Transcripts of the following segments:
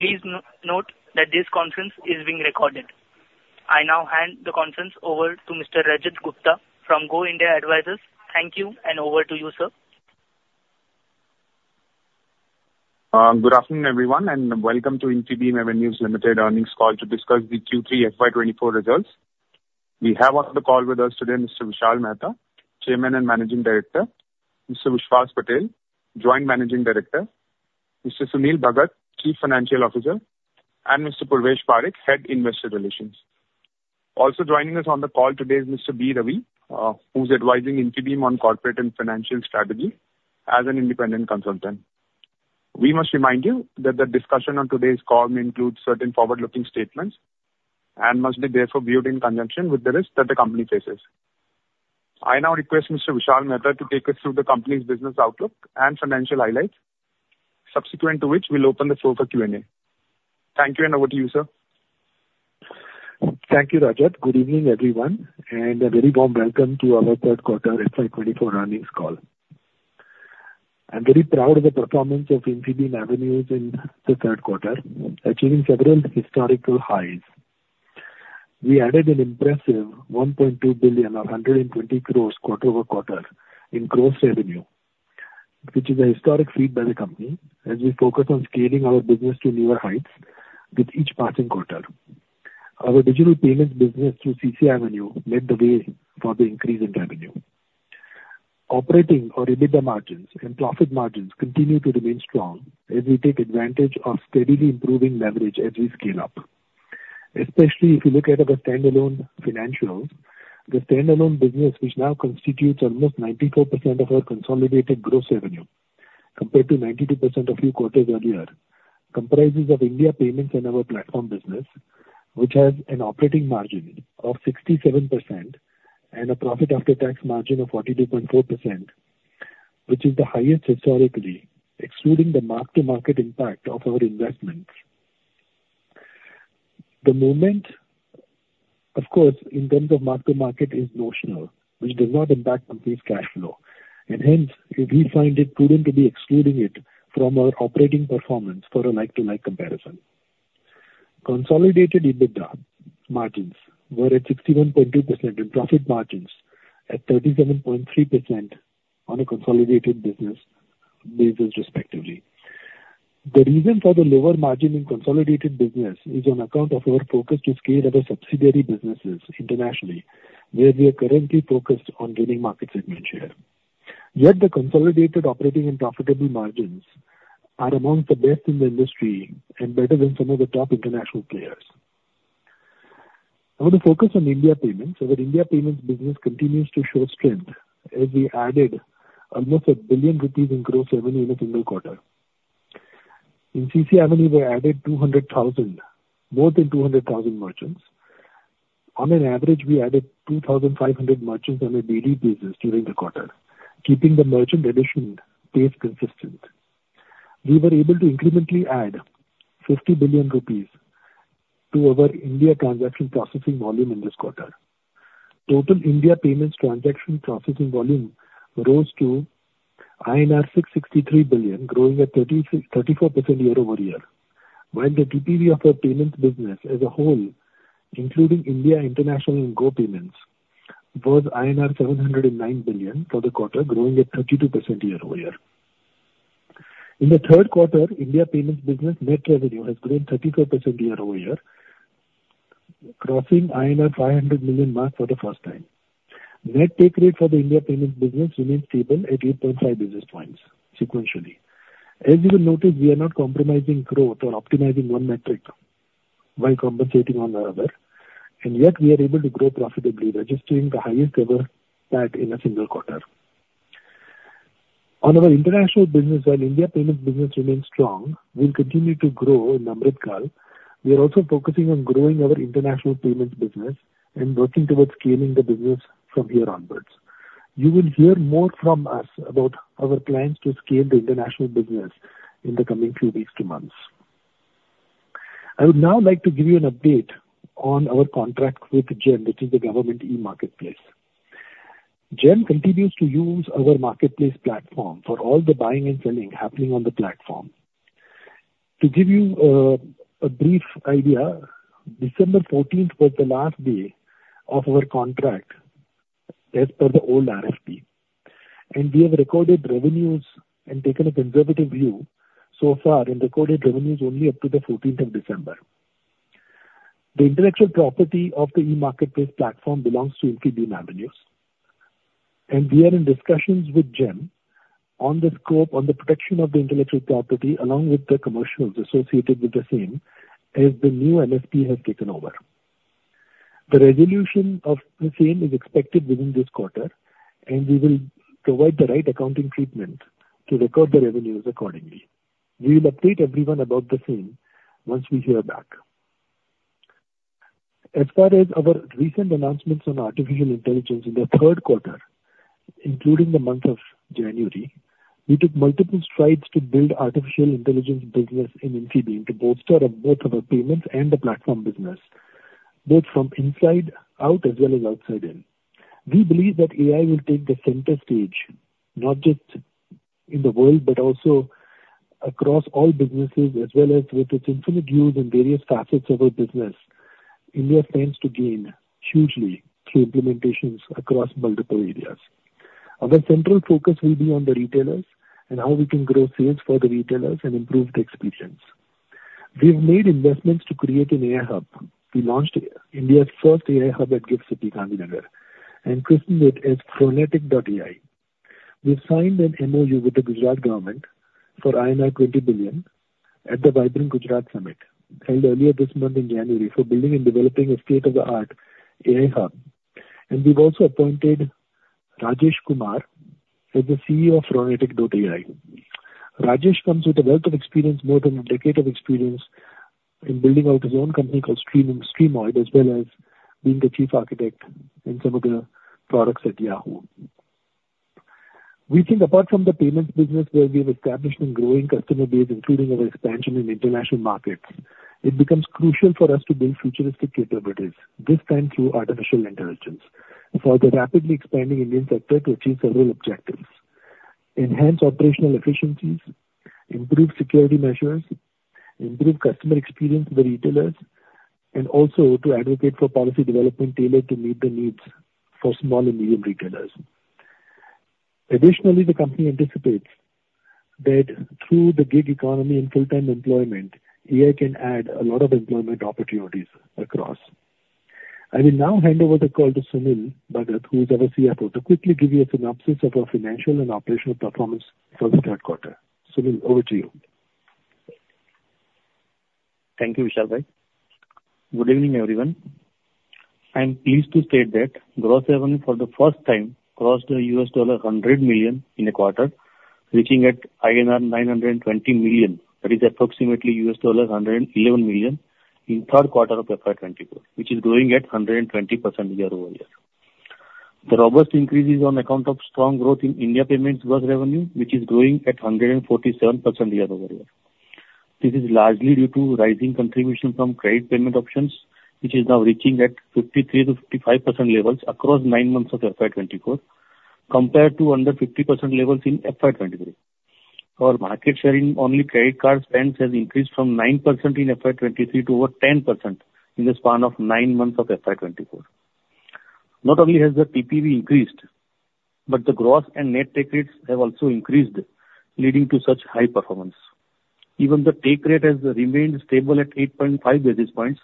Please note that this conference is being recorded. I now hand the conference over to Mr. Rajat Gupta from Go India Advisors. Thank you, and over to you, sir. Good afternoon, everyone, and welcome to Infibeam Avenues Limited Earnings Call to discuss the Q3 FY24 results. We have on the call with us today Mr. Vishal Mehta, Chairman and Managing Director, Mr. Vishwas Patel, Joint Managing Director, Mr. Sunil Bhagat, Chief Financial Officer, and Mr. Purvesh Parekh, Head, Investor Relations. Also joining us on the call today is Mr. B. Ravi, who's advising Infibeam on corporate and financial strategy as an independent consultant. We must remind you that the discussion on today's call may include certain forward-looking statements and must be therefore viewed in conjunction with the risk that the company faces. I now request Mr. Vishal Mehta to take us through the company's business outlook and financial highlights, subsequent to which we'll open the floor for Q&A. Thank you, and over to you, sir. Thank you, Rajat. Good evening, everyone, and a very warm welcome to our Q3 FY 2024 Earnings Call. I'm very proud of the performance of Infibeam Avenues in the Q3, achieving several historical highs. We added an impressive 1.2 billion, or 120 crores, quarter-over-quarter in gross revenue, which is a historic feat by the company, as we focus on scaling our business to newer heights with each passing quarter. Our digital payments business through CCAvenue led the way for the increase in revenue. Operating or EBITDA margins and profit margins continue to remain strong as we take advantage of steadily improving leverage as we scale up. Especially if you look at our standalone financials, the standalone business, which now constitutes almost 94% of our consolidated gross revenue, compared to 92% a few quarters earlier, comprises of India Payments and our platform business, which has an operating margin of 67% and a profit after tax margin of 42.4%, which is the highest historically, excluding the mark-to-market impact of our investments. The movement, of course, in terms of mark-to-market is notional, which does not impact company's cash flow, and hence, we find it prudent to be excluding it from our operating performance for a like-to-like comparison. Consolidated EBITDA margins were at 61.2% and profit margins at 37.3% on a consolidated business basis, respectively. The reason for the lower margin in consolidated business is on account of our focus to scale other subsidiary businesses internationally, where we are currently focused on gaining market segment share. Yet the consolidated operating and profitable margins are among the best in the industry and better than some of the top international players. I want to focus on India Payments. Our India Payments business continues to show strength as we added almost 1 billion rupees in gross revenue in a single quarter. In CCAvenue, we added 200,000, more than 200,000 merchants. On an average, we added 2,500 merchants on a daily basis during the quarter, keeping the merchant addition pace consistent. We were able to incrementally add 50 billion rupees to our India transaction processing volume in this quarter. Total India Payments transaction processing volume rose to INR 663 billion, growing at 34% year-over-year, while the TPV of our payments business as a whole, including India, International, and Go Payments, was INR 709 billion for the quarter, growing at 32% year-over-year. In the Q3, India Payments business net revenue has grown 34% year-over-year, crossing INR 500 million mark for the first time. Net take rate for the India Payments business remains stable at 8.5 basis points sequentially. As you will notice, we are not compromising growth or optimizing one metric while compensating on another, and yet we are able to grow profitably, registering the highest-ever PAT in a single quarter. On our international business, while India Payments business remains strong, we'll continue to grow in Amrit Kaal. We are also focusing on growing our international payments business and working towards scaling the business from here onwards. You will hear more from us about our plans to scale the international business in the coming few weeks to months. I would now like to give you an update on our contract with GeM, which is the Government e-Marketplace. GeM continues to use our marketplace platform for all the buying and selling happening on the platform. To give you a brief idea, December 14th was the last day of our contract as per the old RFP, and we have recorded revenues and taken a conservative view so far and recorded revenues only up to the 14th of December. The intellectual property of the e-marketplace platform belongs to Infibeam Avenues, and we are in discussions with GeM on the scope on the protection of the intellectual property, along with the commercials associated with the same, as the new MSP has taken over. The resolution of the same is expected within this quarter, and we will provide the right accounting treatment to record the revenues accordingly. We will update everyone about the same once we hear back. As far as our recent announcements on artificial intelligence, in the Q3, including the month of January, we took multiple strides to build artificial intelligence business in Infibeam to bolster on both our payments and the platform business both from inside out as well as outside in. We believe that AI will take the center stage, not just in the world, but also across all businesses, as well as with its infinite use in various facets of our business. India stands to gain hugely through implementations across multiple areas. Our central focus will be on the retailers and how we can grow sales for the retailers and improve the experience. We've made investments to create an AI hub. We launched India's first AI hub at GIFT City, Gandhinagar, and christened it as Phronetic.ai. We've signed an MOU with the Gujarat government for INR 20 billion at the Vibrant Gujarat Summit, held earlier this month in January, for building and developing a state-of-the-art AI hub. We've also appointed Rajesh Kumar as the CEO of Phronetic.ai. Rajesh comes with a wealth of experience, more than a decade of experience, in building out his own company called Streamoid, as well as being the chief architect in some of the products at Yahoo. We think apart from the payments business, where we have established a growing customer base, including our expansion in international markets, it becomes crucial for us to build futuristic capabilities, this time through artificial intelligence, for the rapidly expanding Indian sector to achieve several objectives: enhance operational efficiencies, improve security measures, improve customer experience for retailers, and also to advocate for policy development tailored to meet the needs for small and medium retailers. Additionally, the company anticipates that through the gig economy and full-time employment, AI can add a lot of employment opportunities across. I will now hand over the call to Sunil Bhagat, who is our CFO, to quickly give you a synopsis of our financial and operational performance for the Q3. Sunil, over to you. Thank you, Vishal. Good evening, everyone. I'm pleased to state that gross revenue for the first time crossed the $100 million in a quarter, reaching at INR 920 million. That is approximately $111 million in Q3 of FY 2024, which is growing at 120% year-over-year. The robust increase is on account of strong growth in India payments gross revenue, which is growing at 147% year-over-year. This is largely due to rising contribution from credit payment options, which is now reaching at 53% to 55% levels across nine months of FY 2024, compared to under 50% levels in FY 2023. Our market share in only credit card spends has increased from 9% in FY 2023 to over 10% in the span of nine months of FY 2024. Not only has the TPV increased, but the gross and net take rates have also increased, leading to such high performance. Even the take rate has remained stable at 8.5 basis points,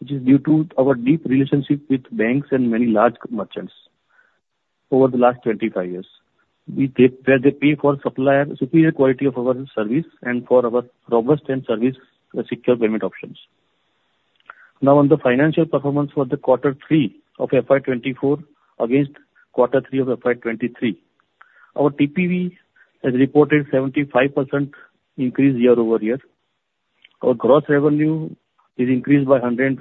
which is due to our deep relationship with banks and many large merchants over the last 25 years, where they pay for superior quality of our service and for our robust and secure service. Now, on the financial performance for the quarter 3 of FY 2024 against quarter 3 of FY 2023, our TPV has reported 75% increase year over year. Our gross revenue is increased by 120%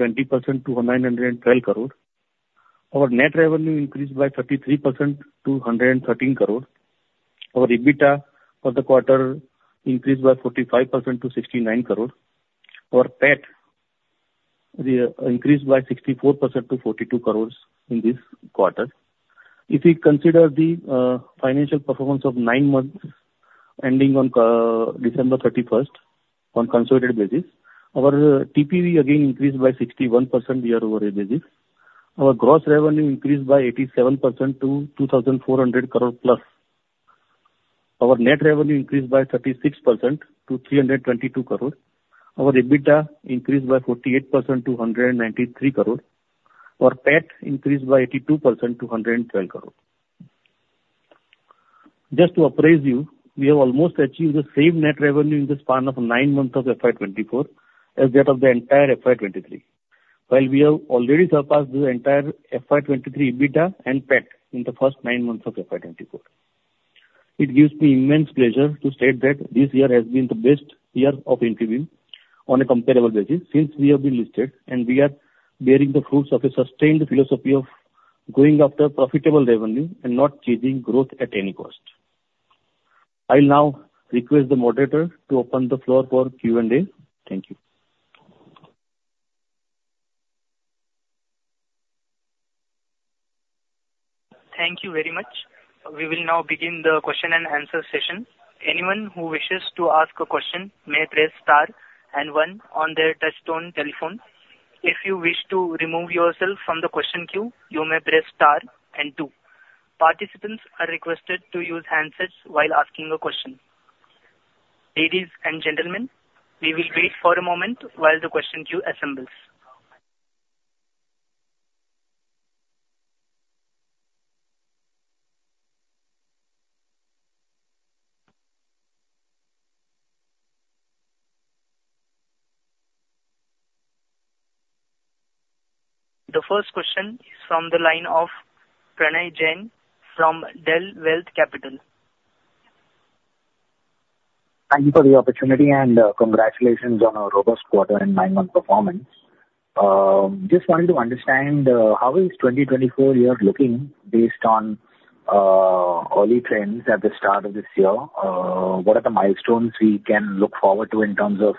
to 912 crore. Our net revenue increased by 33% to 113 crore. Our EBITDA for the quarter increased by 45% to 69 crore. Our PAT increased by 64% to 42 crores in this quarter. If we consider the financial performance of nine months ending on December thirty-first, on consolidated basis, our TPV again increased by 61% year-over-year basis. Our gross revenue increased by 87% to 2,400 crore plus. Our net revenue increased by 36% to 322 crore. Our EBITDA increased by 48% to 193 crore. Our PAT increased by 82% to 112 crore. Just to apprise you, we have almost achieved the same net revenue in the span of nine months of FY 2024 as that of the entire FY 2023, while we have already surpassed the entire FY 2023 EBITDA and PAT in the first nine months of FY 2024. It gives me immense pleasure to state that this year has been the best year of Infibeam on a comparable basis since we have been listed, and we are bearing the fruits of a sustained philosophy of going after profitable revenue and not chasing growth at any cost. I will now request the moderator to open the floor for Q&A. Thank you. Thank you very much. We will now begin the question-and-answer session. Anyone who wishes to ask a question may press star and one on their touchtone telephone. If you wish to remove yourself from the question queue, you may press star and two. Participants are requested to use handsets while asking a question. Ladies and gentlemen, we will wait for a moment while the question queue assembles. The first question is from the line of Pranay Jain from DealWealth Capital. Thank you for the opportunity, and congratulations on a robust quarter and nine-month performance. Just wanted to understand, how is 2024 year looking based on early trends at the start of this year? What are the milestones we can look forward to in terms of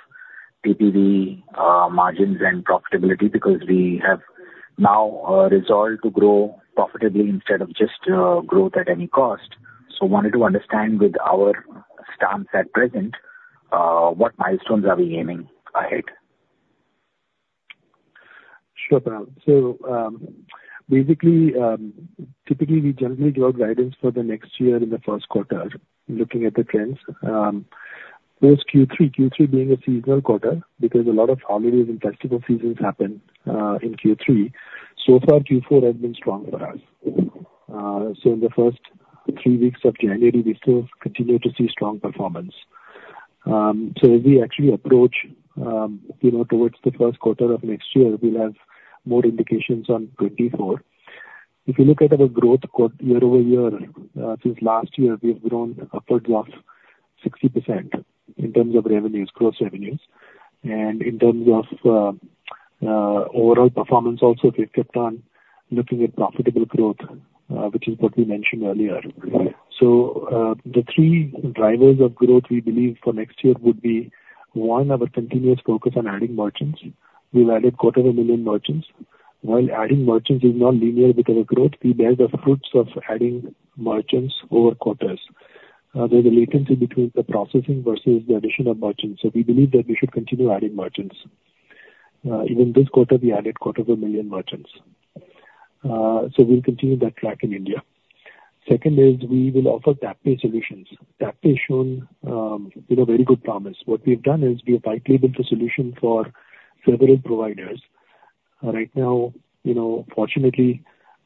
TPV, margins and profitability, because we have now resolved to grow profitably instead of just growth at any cost. So wanted to understand with our stance at present, what milestones are we aiming ahead? Sure, Pal. So, basically, typically, we generally do our guidance for the next year in the Q1. Looking at the trends, post Q3, Q3 being a seasonal quarter, because a lot of holidays and festival seasons happen, in Q3. So far, Q4 has been strong for us. In the first three weeks of January, we still continue to see strong performance. As we actually approach, you know, towards the Q1 of next year, we'll have more indications on 2024. If you look at our growth quote year-over-year, since last year, we have grown upwards of 60% in terms of revenues, gross revenues. In terms of, overall performance, also, we've kept on looking at profitable growth, which is what we mentioned earlier. So, the three drivers of growth we believe for next year would be, one, our continuous focus on adding merchants. We've added 250,000 merchants. While adding merchants is not linear with our growth, we bear the fruits of adding merchants over quarters. There's a latency between the processing versus the addition of merchants, so we believe that we should continue adding merchants. Even this quarter, we added 250,000 merchants. So we'll continue that track in India. Second is we will offer TapPay solutions. TapPay shown, you know, very good promise. What we've done is we have white labeled a solution for several providers. Right now, you know, fortunately,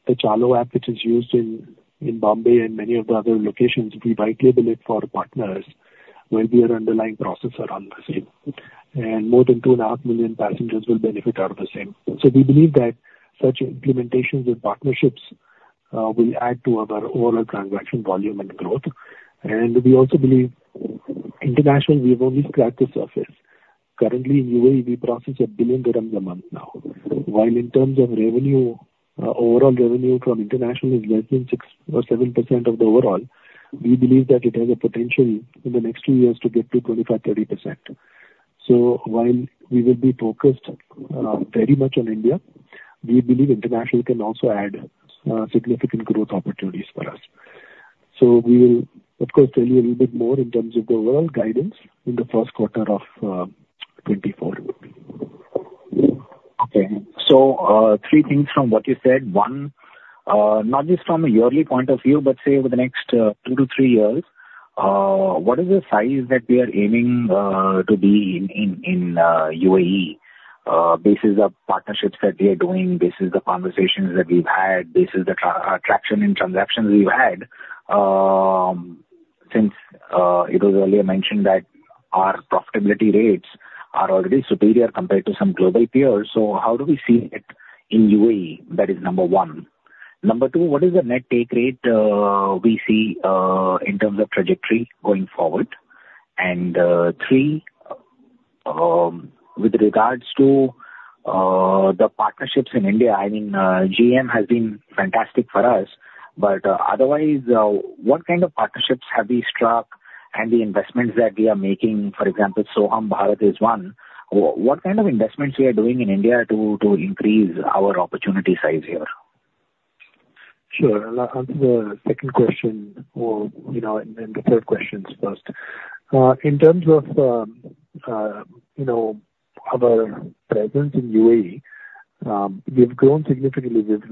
the Chalo app, which is used in Bombay and many of the other locations, we white label it for partners when we are underlying processor on the same, and more than 2.5 million passengers will benefit out of the same. So we believe that such implementations with partnerships will add to our overall transaction volume and growth. We also believe international, we've only scratched the surface. Currently, in UAE, we process 1 billion dirhams a month now. While in terms of revenue, overall revenue from international is less than 6% or 7% of the overall, we believe that it has a potential in the next two years to get to 25% to 30%. So while we will be focused very much on India, we believe international can also add significant growth opportunities for us. So we will, of course, tell you a little bit more in terms of the overall guidance in the Q1 of 2024. Okay. So, three things from what you said. One, not just from a yearly point of view, but say, over the next, two to three years, what is the size that we are aiming to be in UAE? Basis of partnerships that we are doing, basis the conversations that we've had, basis the traction in transactions we've had, since it was earlier mentioned that our profitability rates are already superior compared to some global peers. So how do we see it in UAE? That is number one. Number two, what is the net take rate we see in terms of trajectory going forward? Three, with regards to the partnerships in India, I mean, GeM has been fantastic for us, but otherwise, what kind of partnerships have we struck and the investments that we are making, for example, Sohum Bharat is one. What kind of investments we are doing in India to increase our opportunity size here? Sure. I'll answer the second question or, you know, and then the third questions first. In terms of, you know, our presence in UAE, we've grown significantly with,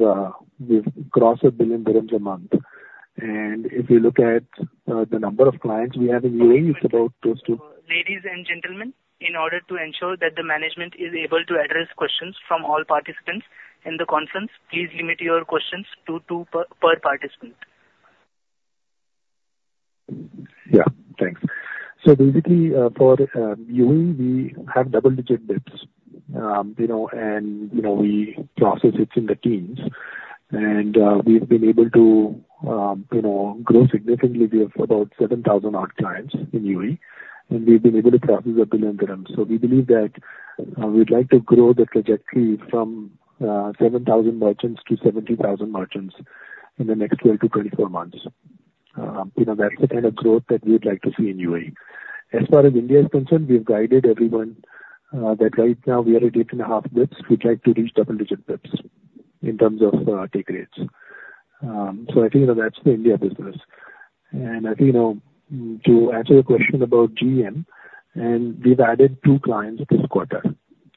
we've crossed 1 billion dirhams a month. And if you look at, the number of clients we have in UAE, it's about close to- Ladies and gentlemen, in order to ensure that the management is able to address questions from all participants in the conference, please limit your questions to two per participant. Yeah, thanks. So basically, for UAE, we have double-digit bps, you know, and, you know, we process it in the teens. And, we've been able to, you know, grow significantly. We have about 7,000 odd clients in UAE, and we've been able to process 1 billion dirhams. So we believe that, we'd like to grow the trajectory from, 7,000 merchants to 70,000 merchants in the next 12 to 24 months. You know, that's the kind of growth that we'd like to see in UAE. As far as India is concerned, we've guided everyone, that right now we are at 8.5 bps. We'd like to reach double-digit bps in terms of, take rates. So I think that's the India business. I think, you know, to answer your question about GMV, and we've added two clients this quarter.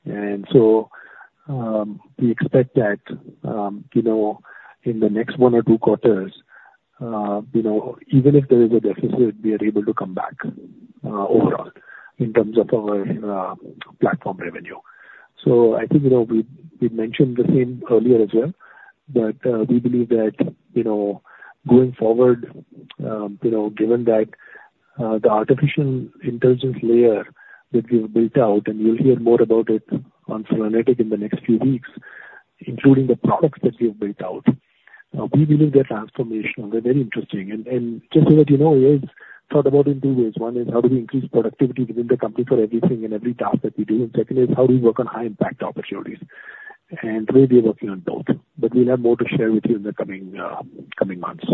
And so, we expect that, you know, in the next one or two quarters, you know, even if there is a deficit, we are able to come back, overall in terms of our platform revenue. So I think, you know, we, we mentioned the same earlier as well, but, we believe that, you know, going forward, you know, given that, the artificial intelligence layer that we've built out, and you'll hear more about it on [Solanet] in the next few weeks, including the products that we have built out, we believe they're transformational. They're very interesting. And just so that you know, we have thought about it in two ways. One is how do we increase productivity within the company for everything and every task that we do? Second is how do we work on high-impact opportunities? We'll be working on both, but we'll have more to share with you in the coming months.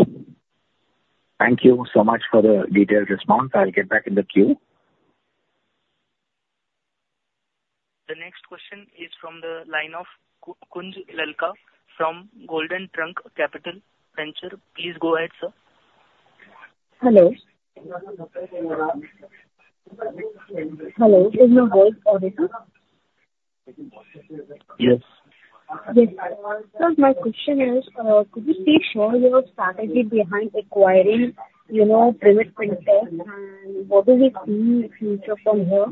Thank you so much for the detailed response. I'll get back in the queue. The next question is from the line of Kunnj Lalka from Golden Trunk Capital Venture. Please go ahead, sir. Hello? Hello, is my voice audible? Yes. My question is, could you please share your strategy behind acquiring, you know, Pirimid FinTech, and what do we see in the future from here?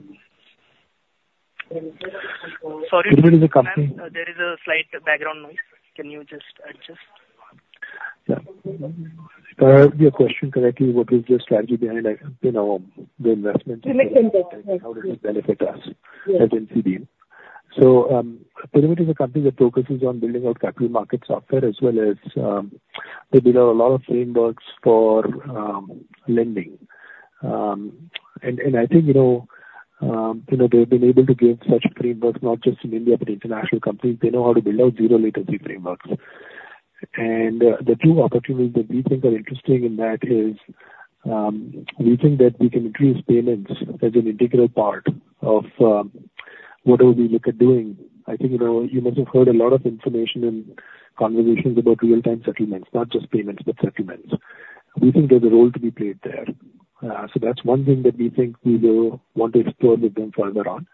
Sorry, there is a slight background noise. Can you just adjust? Yeah. If I heard your question correctly, what is the strategy behind, like, you know, the investment? Pirimid FinTech. How does it benefit us? Yes. At NCD? So, Pirimid is a company that focuses on building out capital market software as well as, they build a lot of frameworks for, lending. I think, you know, they've been able to give such frameworks, not just in India, but international companies. They know how to build out zero latency frameworks. And, the two opportunities that we think are interesting in that is, we think that we can increase payments as an integral part of, whatever we look at doing. I think, you know, you must have heard a lot of information and conversations about real-time settlements, not just payments, but settlements. We think there's a role to be played there. So that's one thing that we think we will want to explore with them further on.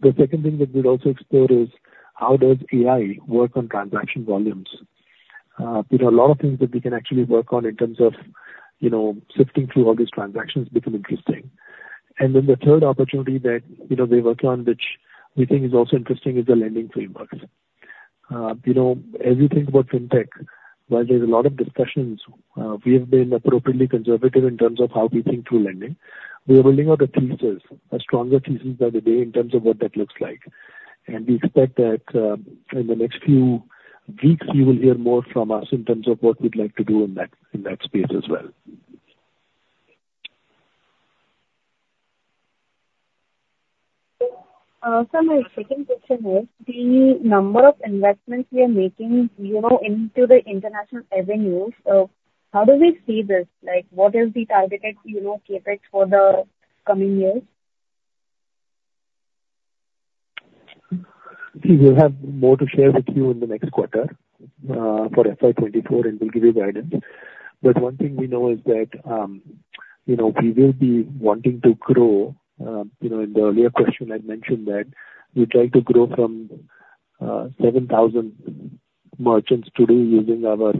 The second thing that we'd also explore is how does AI work on transaction volumes? There are a lot of things that we can actually work on in terms of, you know, sifting through all these transactions become interesting. And then the third opportunity that, you know, they work on, which we think is also interesting, is the lending frameworks. You know, as you think about FinTech, while there's a lot of discussions, we have been appropriately conservative in terms of how we think through lending. We are building out the thesis, a stronger thesis by the day in terms of what that looks like. And we expect that, in the next few weeks, you will hear more from us in terms of what we'd like to do in that, in that space as well. So my second question is, the number of investments we are making, you know, into the international avenues. So how do we see this? Like, what is the targeted, you know, CapEx for the coming years? We will have more to share with you in the next quarter, for FY 24, and we'll give you guidance. But one thing we know is that, you know, we will be wanting to grow. You know, in the earlier question, I'd mentioned that we try to grow from, seven thousand merchants today using our,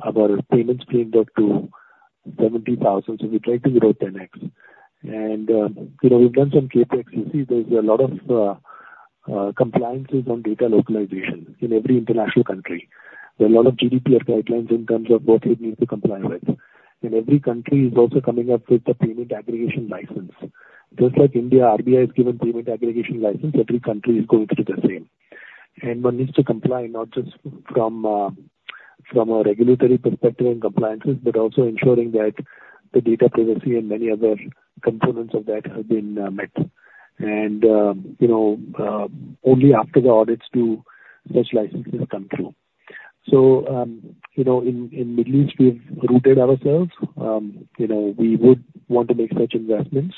our payments framework to seventy thousand. So we try to grow 10x. And, you know, we've done some CapEx. You see there's a lot of, compliances on data localization in every international country. There are a lot of GDPR guidelines in terms of what we need to comply with, and every country is also coming up with a payment aggregation license. Just like India, RBI has given payment aggregation license, every country is going through the same. One needs to comply, not just from a, from a regulatory perspective and compliances, but also ensuring that the data privacy and many other components of that have been met. You know, only after the audits do such licenses come through. You know, in, in Middle East, we've rooted ourselves. You know, we would want to make such investments.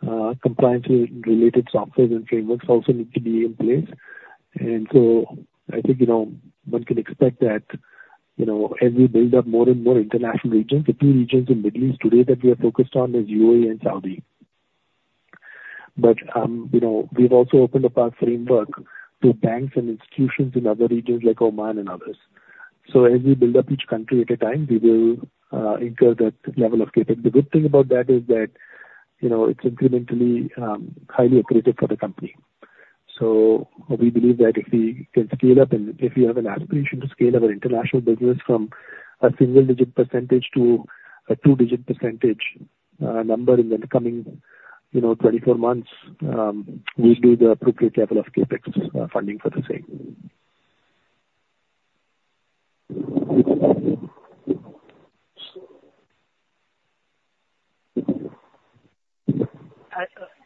Compliance-related software and frameworks also need to be in place. So I think, you know, one can expect that, you know, as we build up more and more international regions, the two regions in Middle East today that we are focused on is UAE and Saudi. You know, we've also opened up our framework to banks and institutions in other regions like Oman and others. So as we build up each country at a time, we will ensure that level of CapEx. The good thing about that is that, you know, it's incrementally highly accretive for the company. So we believe that if we can scale up and if we have an aspiration to scale our international business from a single-digit percentage to a two-digit percentage number in the coming, you know, 24 months, we'll do the appropriate level of CapEx funding for the same.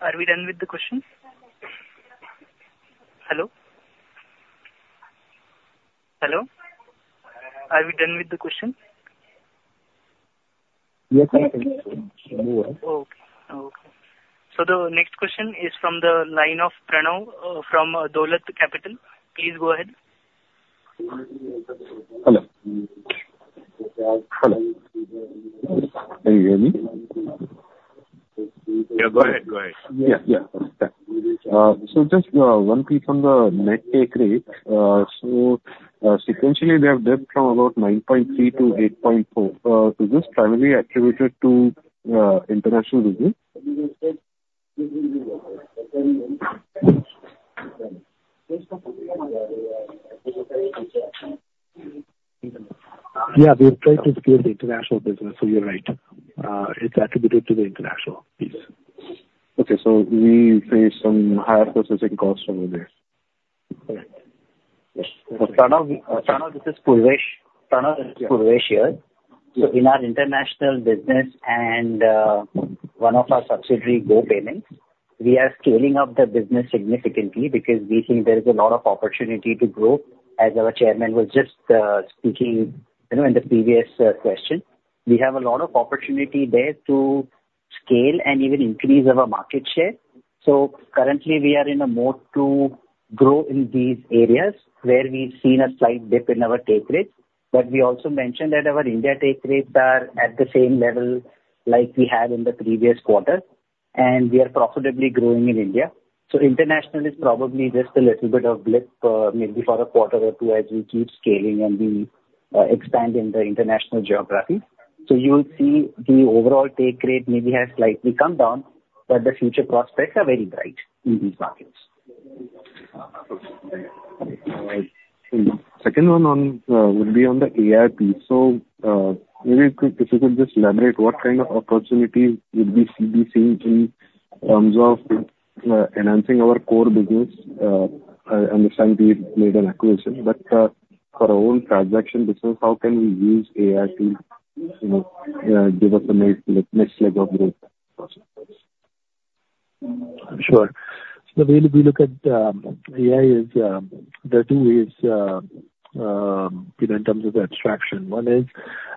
Are we done with the questions? Hello? Hello, are we done with the questions? Yes, I think so. Yes, we are. Okay. Okay. So the next question is from the line of Pranav from Dolat Capital. Please go ahead. Hello? Hello, can you hear me? Yeah, go ahead. Go ahead. Yeah, yeah. So just one thing from the net take rate. So sequentially, we have dipped from about 9.3 to 8.4. Is this primarily attributed to international business? Yeah, we've tried to scale the international business, so you're right. It's attributed to the international piece. Okay. So we face some higher processing costs over there. Correct. Pranav, Pranav, this is Purvesh. Pranav, Purvesh here. So in our international business and, one of our subsidiary, Go Payments. We are scaling up the business significantly because we think there is a lot of opportunity to grow, as our chairman was just speaking, you know, in the previous question. We have a lot of opportunity there to scale and even increase our market share. So currently, we are in a mode to grow in these areas where we've seen a slight dip in our take rate. But we also mentioned that our India take rates are at the same level, like we had in the previous quarter, and we are profitably growing in India. So international is probably just a little bit of blip, maybe for a quarter or two, as we keep scaling and we expand in the international geography. You'll see the overall take rate maybe has slightly come down, but the future prospects are very bright in these markets. Second one would be on the AI piece. So, maybe if you could just elaborate what kind of opportunities would we be seeing in terms of enhancing our core business? I understand we've made an acquisition, but for our own transaction business, how can we use AI to, you know, give us the next leg of growth process? Sure. So the way that we look at AI is there are two ways, you know, in terms of the abstraction. One is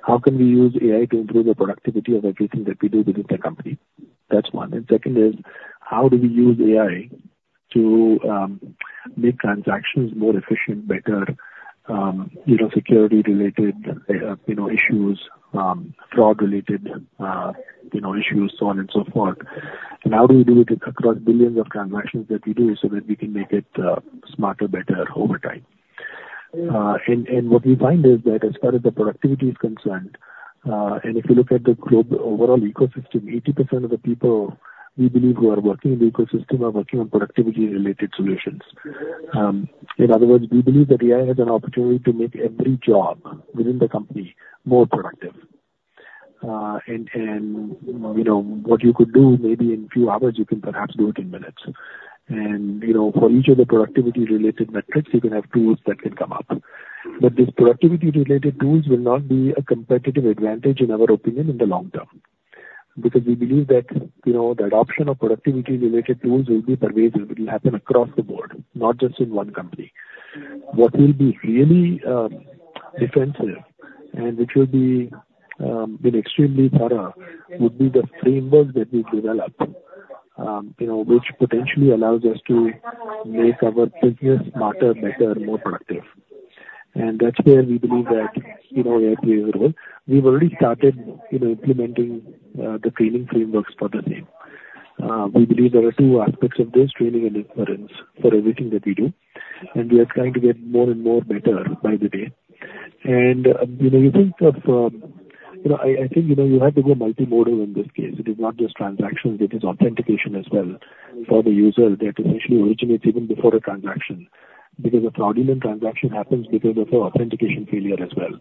how can we use AI to improve the productivity of everything that we do within the company? That's one. And second is, how do we use AI to make transactions more efficient, better, you know, security-related, you know, issues, fraud-related, you know, issues, so on and so forth? How do we do it across billions of transactions that we do, so that we can make it smarter, better over time? What we find is that as far as the productivity is concerned, if you look at the globe, overall ecosystem, 80% of the people we believe who are working in the ecosystem are working on productivity-related solutions. In other words, we believe that AI has an opportunity to make every job within the company more productive. You know, what you could do, maybe in few hours, you can perhaps do it in minutes. You know, for each of the productivity-related metrics, you can have tools that can come up. But these productivity-related tools will not be a competitive advantage, in our opinion, in the long term, because we believe that, you know, the adoption of productivity-related tools will be pervasive. It will happen across the board, not just in one company. What will be really, defensive and which will be, extremely thorough, would be the frameworks that we develop, you know, which potentially allows us to make our business smarter, better, more productive. And that's where we believe that, you know, AI plays a role. We've already started, you know, implementing, the training frameworks for the same. We believe there are two aspects of this: training and inference for everything that we do, and we are trying to get more and more better by the day. I think, you know, you have to go multimodal in this case. It is not just transactions, it is authentication as well for the user that essentially originates even before a transaction, because a fraudulent transaction happens because of an authentication failure as well,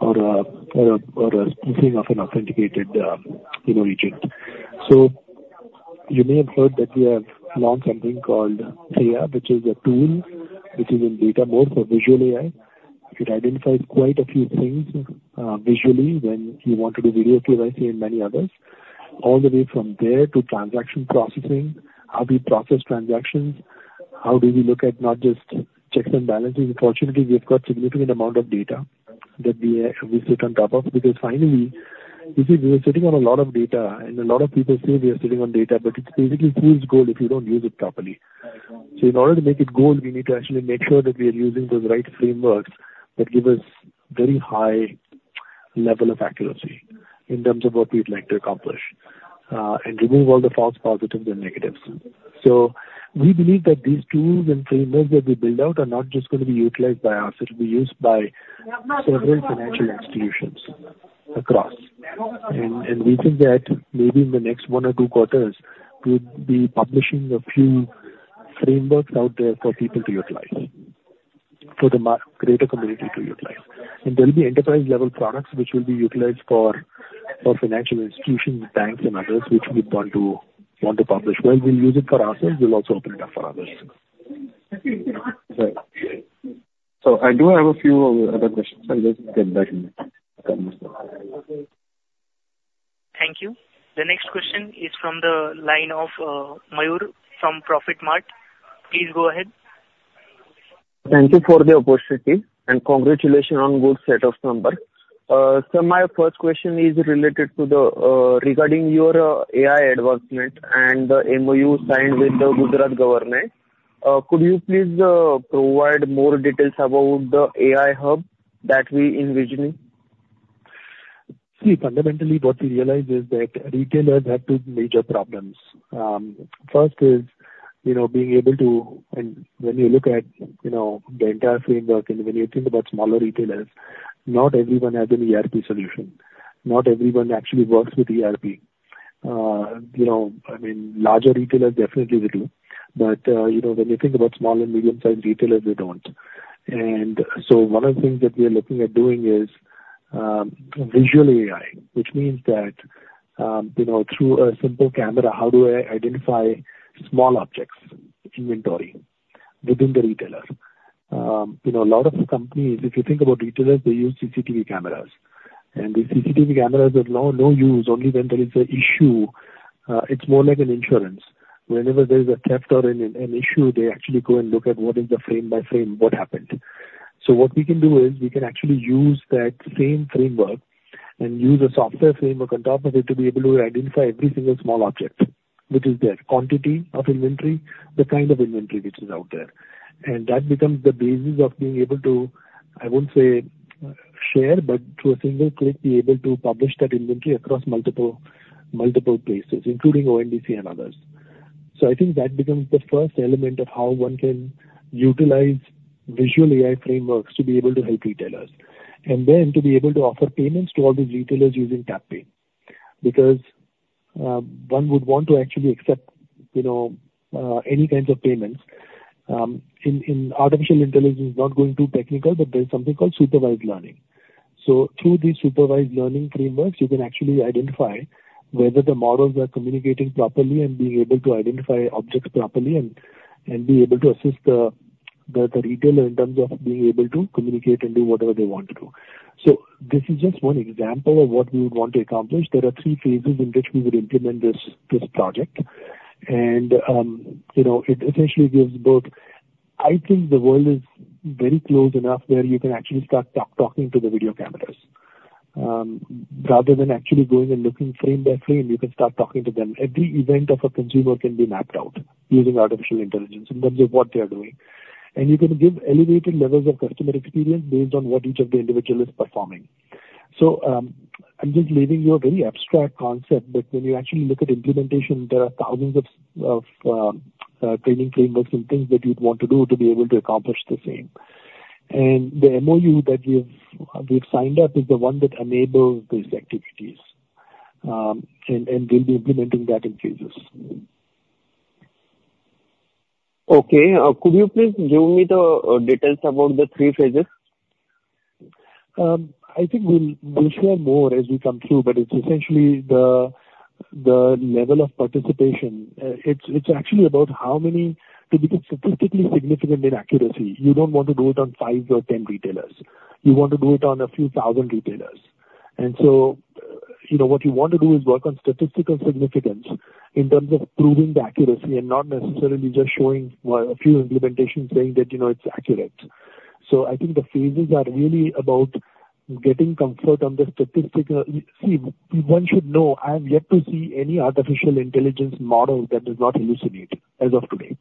or a spoofing of an authenticated, you know, agent. So you may have heard that we have launched something called THEIA, which is a tool which is in data mode for visual AI. It identifies quite a few things visually when you want to do Video KYC and many others, all the way from there to transaction processing, how we process transactions, how do we look at not just checks and balances. Unfortunately, we've got significant amount of data that we, we sit on top of, because finally, you see, we are sitting on a lot of data, and a lot of people say we are sitting on data, but it's basically fool's gold if you don't use it properly. So in order to make it gold, we need to actually make sure that we are using those right frameworks that give us very high level of accuracy in terms of what we'd like to accomplish, and remove all the false positives and negatives. So we believe that these tools and frameworks that we build out are not just going to be utilized by us, it'll be used by several financial institutions across. We think that maybe in the next one or two quarters, we'll be publishing a few frameworks out there for people to utilize, for the larger community to utilize. And there will be enterprise-level products which will be utilized for financial institutions, banks and others, which we want to publish. Well, we'll use it for ourselves, we'll also open it up for others. So I do have a few other questions. I'll just get back. Thank you. The next question is from the line of Mayur from Profitmart. Please go ahead. Thank you for the opportunity, and congratulations on good set of numbers. My first question is related to regarding your AI advancement and the MOU signed with the Gujarat government. Could you please provide more details about the AI hub that we envisioning? See, fundamentally, what we realize is that retailers have two major problems. First is, you know, being able to look at the entire framework and when you think about smaller retailers, not everyone has an ERP solution. Not everyone actually works with ERP. You know, I mean, larger retailers definitely they do, but, you know, when you think about small and medium-sized retailers, they don't. One of the things that we are looking at doing is visual AI, which means that through a simple camera, how do I identify small objects, inventory within the retailer. You know, a lot of companies, if you think about retailers, they use CCTV cameras. The CCTV cameras have now no use, only when there is an issue, it's more like an insurance. Whenever there's a theft or an issue, they actually go and look at what is the frame by frame, what happened. So what we can do is, we can actually use that same framework and use a software framework on top of it to be able to identify every single small object, which is there: quantity of inventory, the kind of inventory which is out there. And that becomes the basis of being able to, I won't say, share, but through a single click, be able to publish that inventory across multiple, multiple places, including ONDC and others. So I think that becomes the first element of how one can utilize visual AI frameworks to be able to help retailers. And then to be able to offer payments to all these retailers using TapPay, because one would want to actually accept, you know, any kinds of payments. In artificial intelligence, it's not going too technical, but there's something called supervised learning. So through these supervised learning frameworks, you can actually identify whether the models are communicating properly and being able to identify objects properly and be able to assist the retailer in terms of being able to communicate and do whatever they want to do. So this is just one example of what we would want to accomplish. There are three phases in which we would implement this project. And, you know, it essentially gives both. I think the world is very close enough where you can actually start talking to the video cameras. Rather than actually going and looking frame by frame, you can start talking to them. Every event of a consumer can be mapped out using artificial intelligence in terms of what they are doing. You can give elevated levels of customer experience based on what each of the individual is performing. I'm just leaving you a very abstract concept, but when you actually look at implementation, there are thousands of training frameworks and things that you'd want to do to be able to accomplish the same. The MOU that we've signed up is the one that enables these activities, and we'll be implementing that in phases. Okay. Could you please give me the details about the three phases? I think we'll share more as we come through, but it's essentially the level of participation. It's actually about how many, to become statistically significant in accuracy, you don't want to do it on five or 10 retailers. You want to do it on a few thousand retailers. And so, you know, what you want to do is work on statistical significance in terms of proving the accuracy and not necessarily just showing, well, a few implementations saying that, you know, it's accurate. So I think the phases are really about getting comfort on the statistical. See, one should know, I have yet to see any artificial intelligence model that does not hallucinate, as of today.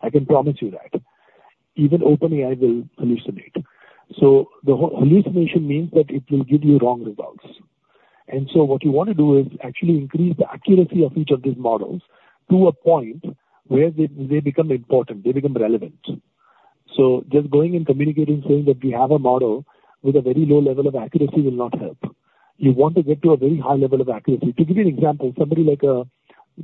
I can promise you that. Even OpenAI will hallucinate. So the hallucination means that it will give you wrong results. So what you want to do is actually increase the accuracy of each of these models to a point where they, they become important, they become relevant. So just going and communicating, saying that we have a model with a very low level of accuracy, will not help. You want to get to a very high level of accuracy. To give you an example, somebody like a,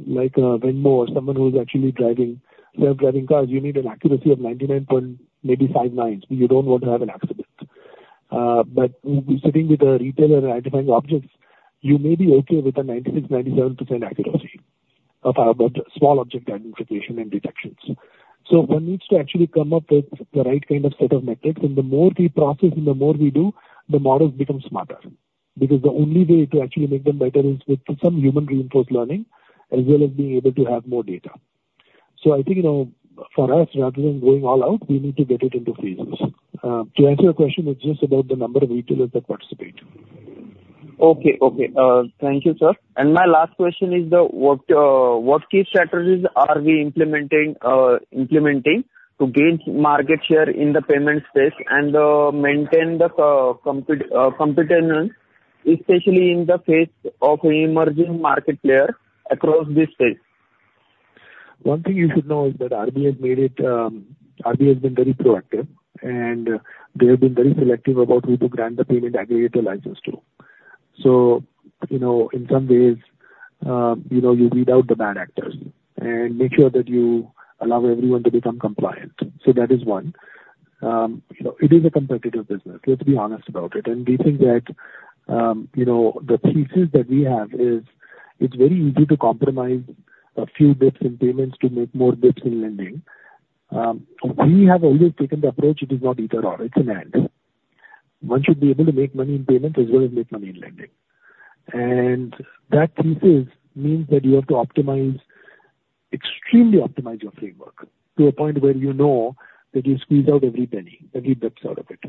like a Waymo or someone who's actually driving their driving cars, you need an accuracy of 99 point maybe five, nine. You don't want to have an accident. But sitting with a retailer identifying objects, you may be okay with a 96% to 97% accuracy of small object identification and detections. So one needs to actually come up with the right kind of set of metrics. The more we process and the more we do, the models become smarter. Because the only way to actually make them better is with some human-reinforced learning, as well as being able to have more data. So I think, you know, for us, rather than going all out, we need to get it into phases. To answer your question, it's just about the number of retailers that participate. Okay, thank you, sir. And my last question is: what key strategies are we implementing to gain market share in the payment space and maintain the competitiveness, especially in the face of an emerging market player across this space? One thing you should know is that RBI has made it. RBI has been very proactive, and they have been very selective about who to grant the payment aggregator license to. So, you know, in some ways, you know, you weed out the bad actors and make sure that you allow everyone to become compliant. So that is one. You know, it is a competitive business, let's be honest about it. And we think that, you know, the thesis that we have is, it's very easy to compromise a few bits in payments to make more bits in lending. We have always taken the approach, it is not either/or, it's an end. One should be able to make money in payment as well as make money in lending. That [thesis] means that you have to optimize, extremely optimize your framework to a point where you know that you squeeze out every penny, every bits out of it.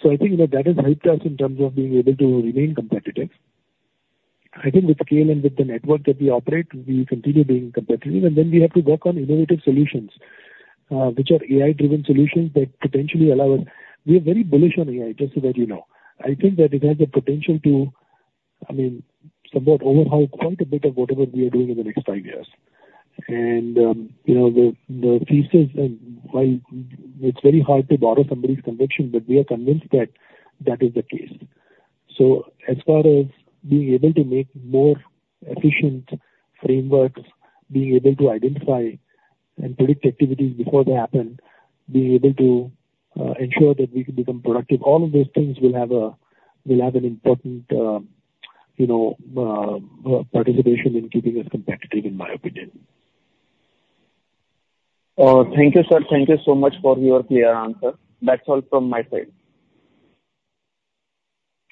So I think that that has helped us in terms of being able to remain competitive. I think with scale and with the network that we operate, we continue being competitive, and then we have to work on innovative solutions, which are AI-driven solutions that potentially allow us. We are very bullish on AI, just so that you know. I think that it has the potential to, I mean, somewhat overhaul quite a bit of whatever we are doing in the next five years. You know, the thesis and why, it's very hard to borrow somebody's conviction, but we are convinced that that is the case. So as far as being able to make more efficient frameworks, being able to identify and predict activities before they happen, being able to ensure that we can become productive, all of those things will have a, will have an important, you know, participation in keeping us competitive, in my opinion. Thank you, sir. Thank you so much for your clear answer. That's all from my side.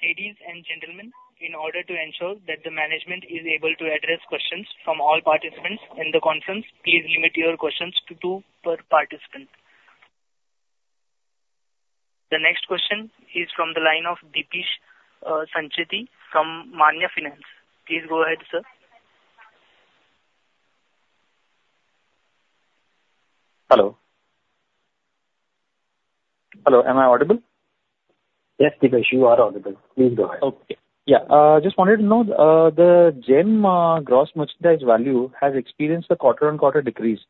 Ladies and gentlemen, in order to ensure that the management is able to address questions from all participants in the conference, please limit your questions to two per participant. The next question is from the line of Deepesh Sancheti from Maanya Finance. Please go ahead, sir. Hello? Hello, am I audible? Yes, Dipesh, you are audible. Please go ahead. Okay. Yeah. Just wanted to know, the GeM, gross merchandise value has experienced a quarter-on-quarter decrease,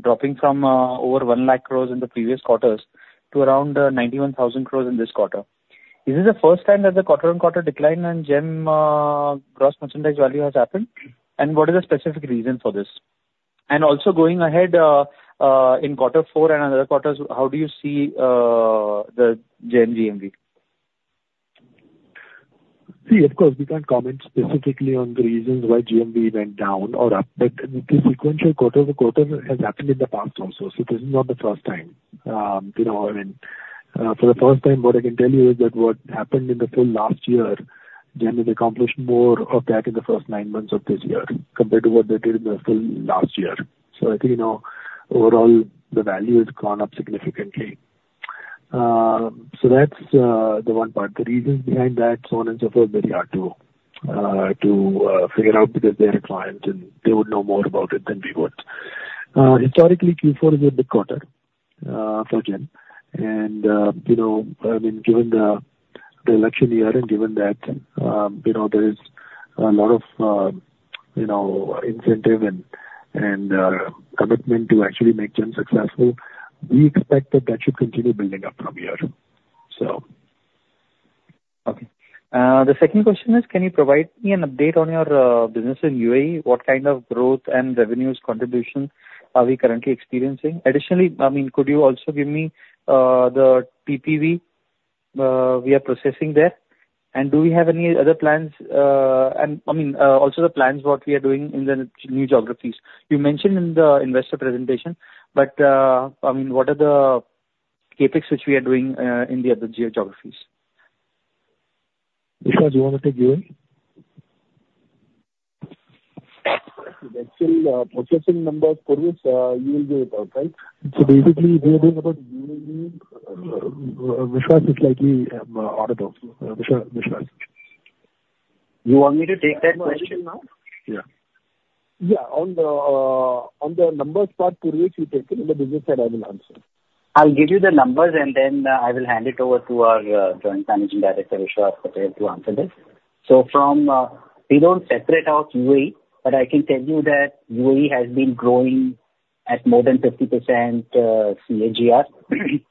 dropping from over 100,000 crore in the previous quarters to around 91,000 crore in this quarter. Is this the first time that the quarter-on-quarter decline on GeM, gross merchandise value has happened, and what is the specific reason for this? And also going ahead, in Q4 and other quarters, how do you see the GeM GMV? See, of course, we can't comment specifically on the reasons why GMV went down or up, but the sequential quarter over quarter has happened in the past also, so this is not the first time. You know what I mean. For the first time, what I can tell you is that what happened in the full last year, GeM has accomplished more of that in the first nine months of this year compared to what they did in the full last year. So I think, you know, overall, the value has gone up significantly. So that's the one part. The reasons behind that, so on and so forth, very hard to figure out, because they're a client, and they would know more about it than we would. Historically, Q4 is a big quarter for GeM. Given the election year and given that, you know, there is a lot of, you know, incentive and commitment to actually make GeM successful, we expect that should continue building up from here. Okay. The second question is: Can you provide me an update on your business in UAE? What kind of growth and revenues contribution are we currently experiencing? Additionally, I mean, could you also give me the TPV we are processing there? And do we have any other plans, and, I mean, also the plans what we are doing in the new geographies. You mentioned in the investor presentation, but, I mean, what are the CapEx which we are doing in the other geographies? Vishwas, you want to take UAE? Actually, processing numbers for this, you will give it out, right? So basically, we are doing about UAE. Vishwas is likely out of audible. You want me to take that question now? Yeah. Yeah, on the numbers part, Purvesh, you take it, and the business side I will answer. I'll give you the numbers, and then, I will hand it over to our Joint Managing Director, Vishwas Patel, to answer this. So, we don't separate out UAE, but I can tell you that UAE has been growing at more than 50% CAGR.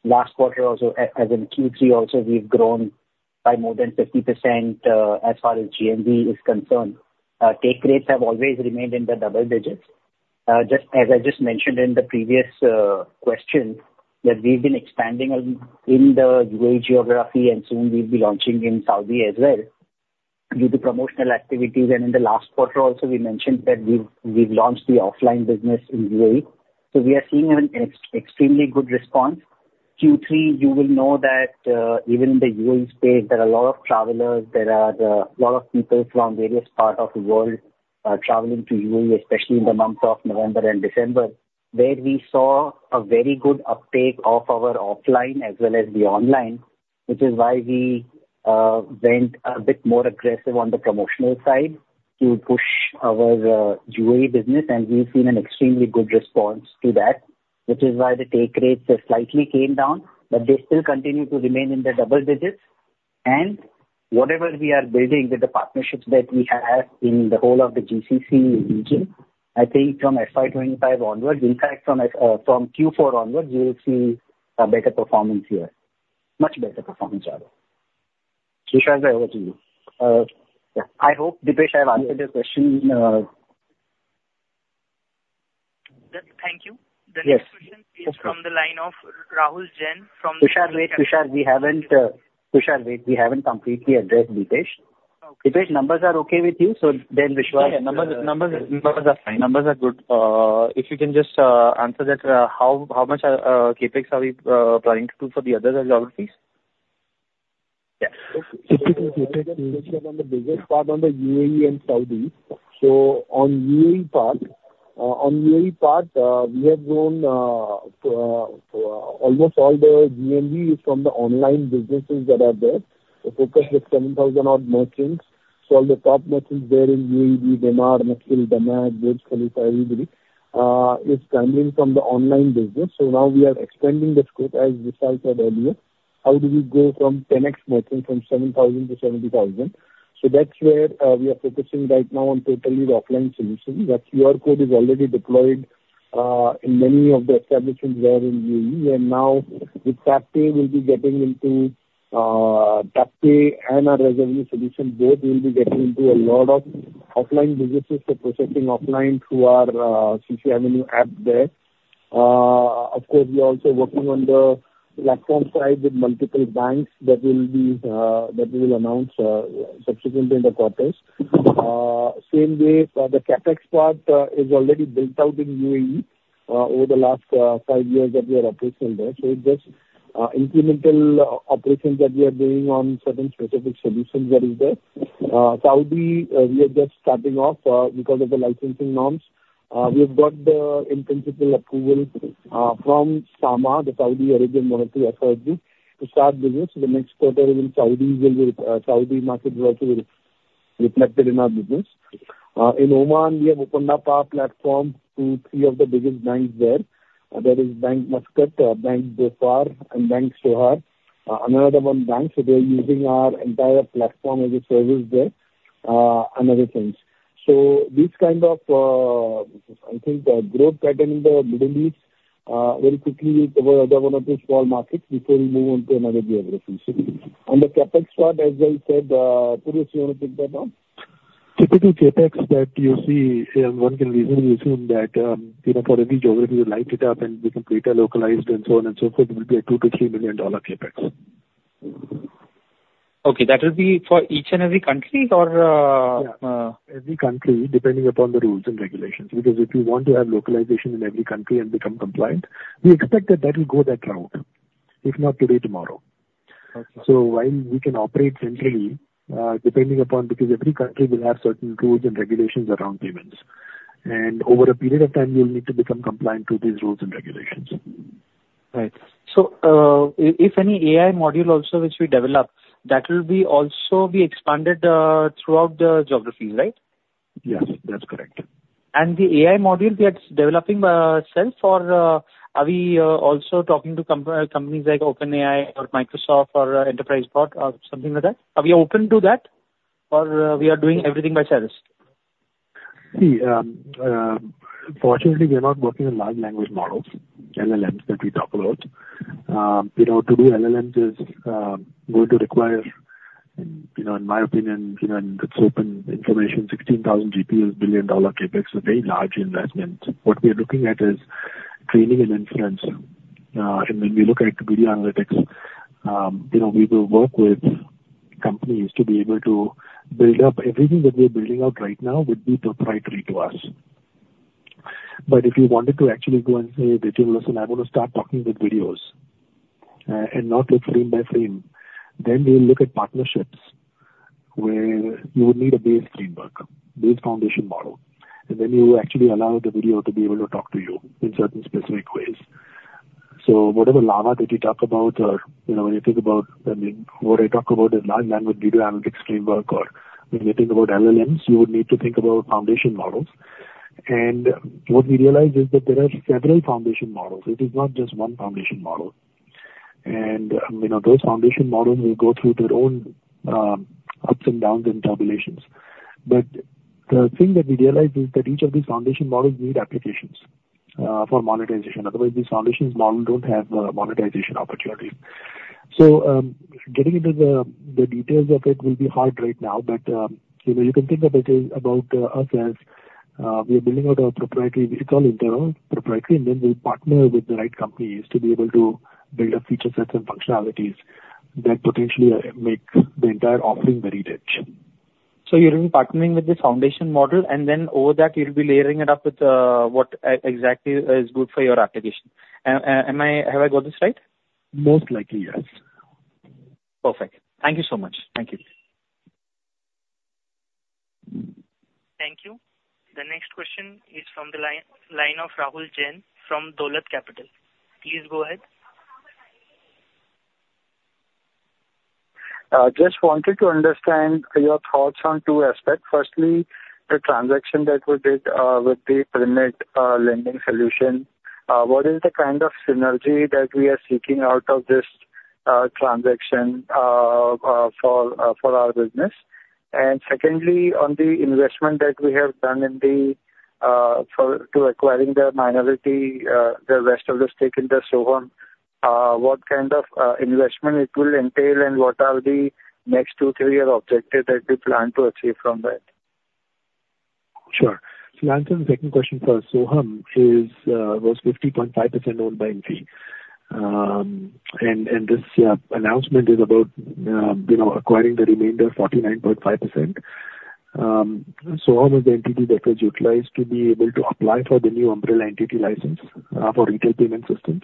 Last quarter also, as in Q3 also, we've grown by more than 50%, as far as GMV is concerned. Take rates have always remained in the double digits. Just, as I just mentioned in the previous question, that we've been expanding on, in the UAE geography, and soon we'll be launching in Saudi as well. Due to promotional activities, and in the last quarter also we mentioned that we've launched the offline business in UAE, so we are seeing an extremely good response. Q3, you will know that, even in the UAE space, there are a lot of travelers. There are a lot of people from various part of the world, traveling to UAE, especially in the months of November and December, where we saw a very good uptake of our offline as well as the online, which is why we, went a bit more aggressive on the promotional side to push our, UAE business, and we've seen an extremely good response to that, which is why the take rates have slightly came down, but they still continue to remain in the double digits. And whatever we are building with the partnerships that we have in the whole of the GCC region, I think from FY 2025 onwards, in fact, from Q4 onwards, you will see a better performance here. Much better performance rather. Vishwas, over to you. Yeah. I hope, Deepesh, I have answered your question. Yes, thank you. Yes. The next question is from the line of Rahul Jain from- Vishwas, wait. Vishwas, we haven't Vishwas, wait, we haven't completely addressed Deepesh. Okay. Deepesh, numbers are okay with you? So then, Vishwas- Yeah, numbers, numbers- Numbers are fine. Numbers are good. If you can just answer that, how much CapEx are we planning to do for the other geographies? Yes. If you can CapEx on the business part on the UAE and Saudi. So on UAE part, we have grown, almost all the GMV is from the online businesses that are there. The focus is 7,000-odd merchants. So all the top merchants there in UAE, Damac, Nakheel, Dana, Gate, Khalifa, everybody, is coming from the online business. So now we are expanding the scope, as Vishwas said earlier. How do we go from 10x merchant from 7,000 to 70,000? So that's where, we are focusing right now on totally the offline solution. That QR code is already deployed in many of the establishments there in UAE, and now with TapPay, we'll be getting into TapPay and our revenue solution, both will be getting into a lot of offline businesses for processing offline through our CCAvenue app there. Of course, we are also working on the platform side with multiple banks that will be that we will announce subsequently in the quarters. Same way for the CapEx part is already built out in UAE over the last five years that we are operational there. So it's just incremental operations that we are doing on certain specific solutions that is there. Saudi we are just starting off because of the licensing norms. We've got the in-principle approval from SAMA, the Saudi Arabian Monetary Authority, to start business. So the next quarter in Saudi will be, Saudi market will also be reflected in our business. In Oman, we have opened up our platform to three of the biggest banks there. There is Bank Muscat, Bank Dhofar and Bank Sohar, another one bank. So they're using our entire Platform as a Service there, and other things. So these kind of, I think, growth pattern in the Middle East, very quickly they are one of the small markets before we move on to another geography. On the CapEx part, as I said, Sunit, do you want to take that now? Typical CapEx that you see, and one can reasonably assume that, you know, for every geography, we light it up and become data localized and so on and so forth, it will be a $2 million to $3 million CapEx. Okay. That will be for each and every country or, Yeah. Every country, depending upon the rules and regulations, because if you want to have localization in every country and become compliant, we expect that that will go that route, if not today, tomorrow. Okay. So while we can operate centrally, because every country will have certain rules and regulations around payments, and over a period of time, we will need to become compliant to these rules and regulations. Right. So, if any AI module also, which we develop, that will also be expanded throughout the geographies, right? Yes, that's correct. The AI module we are developing, are we also talking to companies like OpenAI or Microsoft or Enterprise Bot or something like that? Are we open to that or, we are doing everything by ourselves? See, fortunately, we are not working on large language models, LLMs, that we talk about. You know, to do LLMs is going to require, you know, in my opinion, you know, and it's open information, 16,000 GPUs is $1 billion CapEx, a very large investment. What we are looking at is training and inference. And when we look at video analytics, you know, we will work with companies to be able to build up. Everything that we are building out right now would be proprietary to us. But if you wanted to actually go and say, "Vijay, listen, I want to start talking with videos, and not look frame by frame," then we'll look at partnerships where you would need a base framework, base foundation model, and then you actually allow the video to be able to talk to you in certain specific ways. So whatever Llama that you talk about or, you know, when you think about, I mean, what I talk about is large language video analytics framework, or when you think about LLMs, you would need to think about foundation models. What we realized is that there are several foundation models. It is not just one foundation model. Those foundation models will go through their own ups and downs and turbulences. But the thing that we realized is that each of these foundation models need applications for monetization. Otherwise, these foundations model don't have monetization opportunities. So, getting into the details of it will be hard right now, but you know, you can think of it as about us as we are building out our proprietary, we call internal proprietary, and then we'll partner with the right companies to be able to build up feature sets and functionalities that potentially make the entire offering very rich. So you're doing partnering with the foundation model, and then over that, you'll be layering it up with what exactly is good for your application. Am I have I got this right? Most likely, yes. Perfect. Thank you so much. Thank you. Thank you. The next question is from the line of Rahul Jain from Dolat Capital. Please go ahead. Just wanted to understand your thoughts on two aspects. Firstly, the transaction that we did with the Pirimid lending solution. What is the kind of synergy that we are seeking out of this transaction for our business? And secondly, on the investment that we have done in the for to acquiring the minority, the rest of the stake in the Sohum, what kind of investment it will entail, and what are the next two, three-year objectives that we plan to achieve from that? Sure. To answer the second question first, Sohum was 50.5% owned by NVV. And this announcement is about, you know, acquiring the remainder, 49.5%. Sohum is the entity that was utilized to be able to apply for the new umbrella entity license for retail payment systems.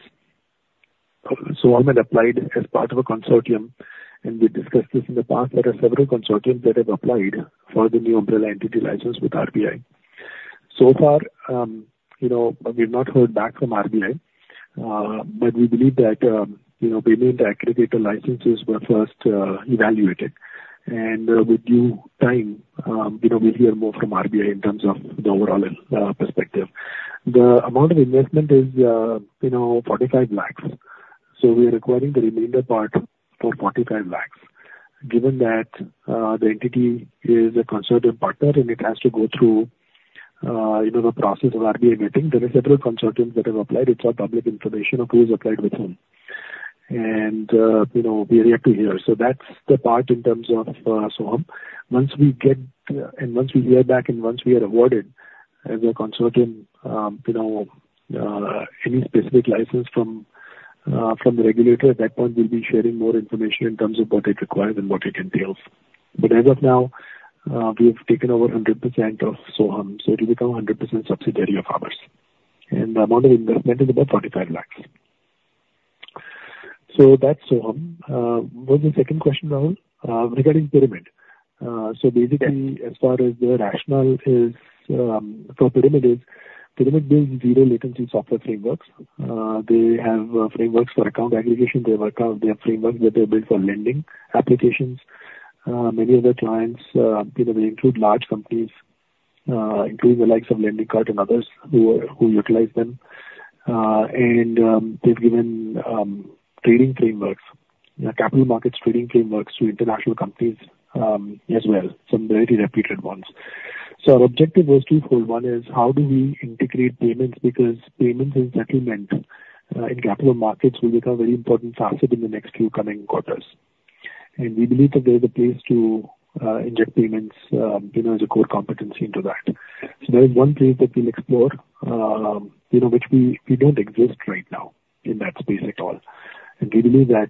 Sohum had applied as part of a consortium, and we discussed this in the past. There are several consortiums that have applied for the new umbrella entity license with RBI. So far, you know, we've not heard back from RBI, but we believe that, you know, payment aggregator licenses were first evaluated, and with due time, you know, we'll hear more from RBI in terms of the overall perspective. The amount of investment is, you know, 45 lakhs. So we are acquiring the remainder part for 45 lakh. Given that, the entity is a consortium partner, and it has to go through, you know, the process of RBI meeting. There are several consortiums that have applied. It's all public information of who has applied with whom and, you know, we react to here. So that's the part in terms of, Sohum. Once we get, and once we hear back and once we are awarded, as we're consulting, you know, any specific license from, from the regulator, at that point, we'll be sharing more information in terms of what it requires and what it entails. But as of now, we have taken over 100% of Sohum, so it will become a 100% subsidiary of ours, and the amount of investment is about 45 lakhs. So that's Sohum. What's the second question, Rahul? So basically- Yes. As far as the rationale is, for Pirimid. Pirimid builds zero-latency software frameworks. They have frameworks for account aggregation. They have frameworks that they build for lending applications. Many of their clients, you know, they include large companies, including the likes of LendingKart and others who utilize them. And they've given trading frameworks, capital markets trading frameworks to international companies, as well, some very reputed ones. So our objective was twofold. One is how do we integrate payments? Because payments and settlement in capital markets will become a very important facet in the next few coming quarters. And we believe that they're the place to inject payments, you know, as a core competency into that. So that is one place that we'll explore, you know, which we, we don't exist right now in that space at all. And we believe that,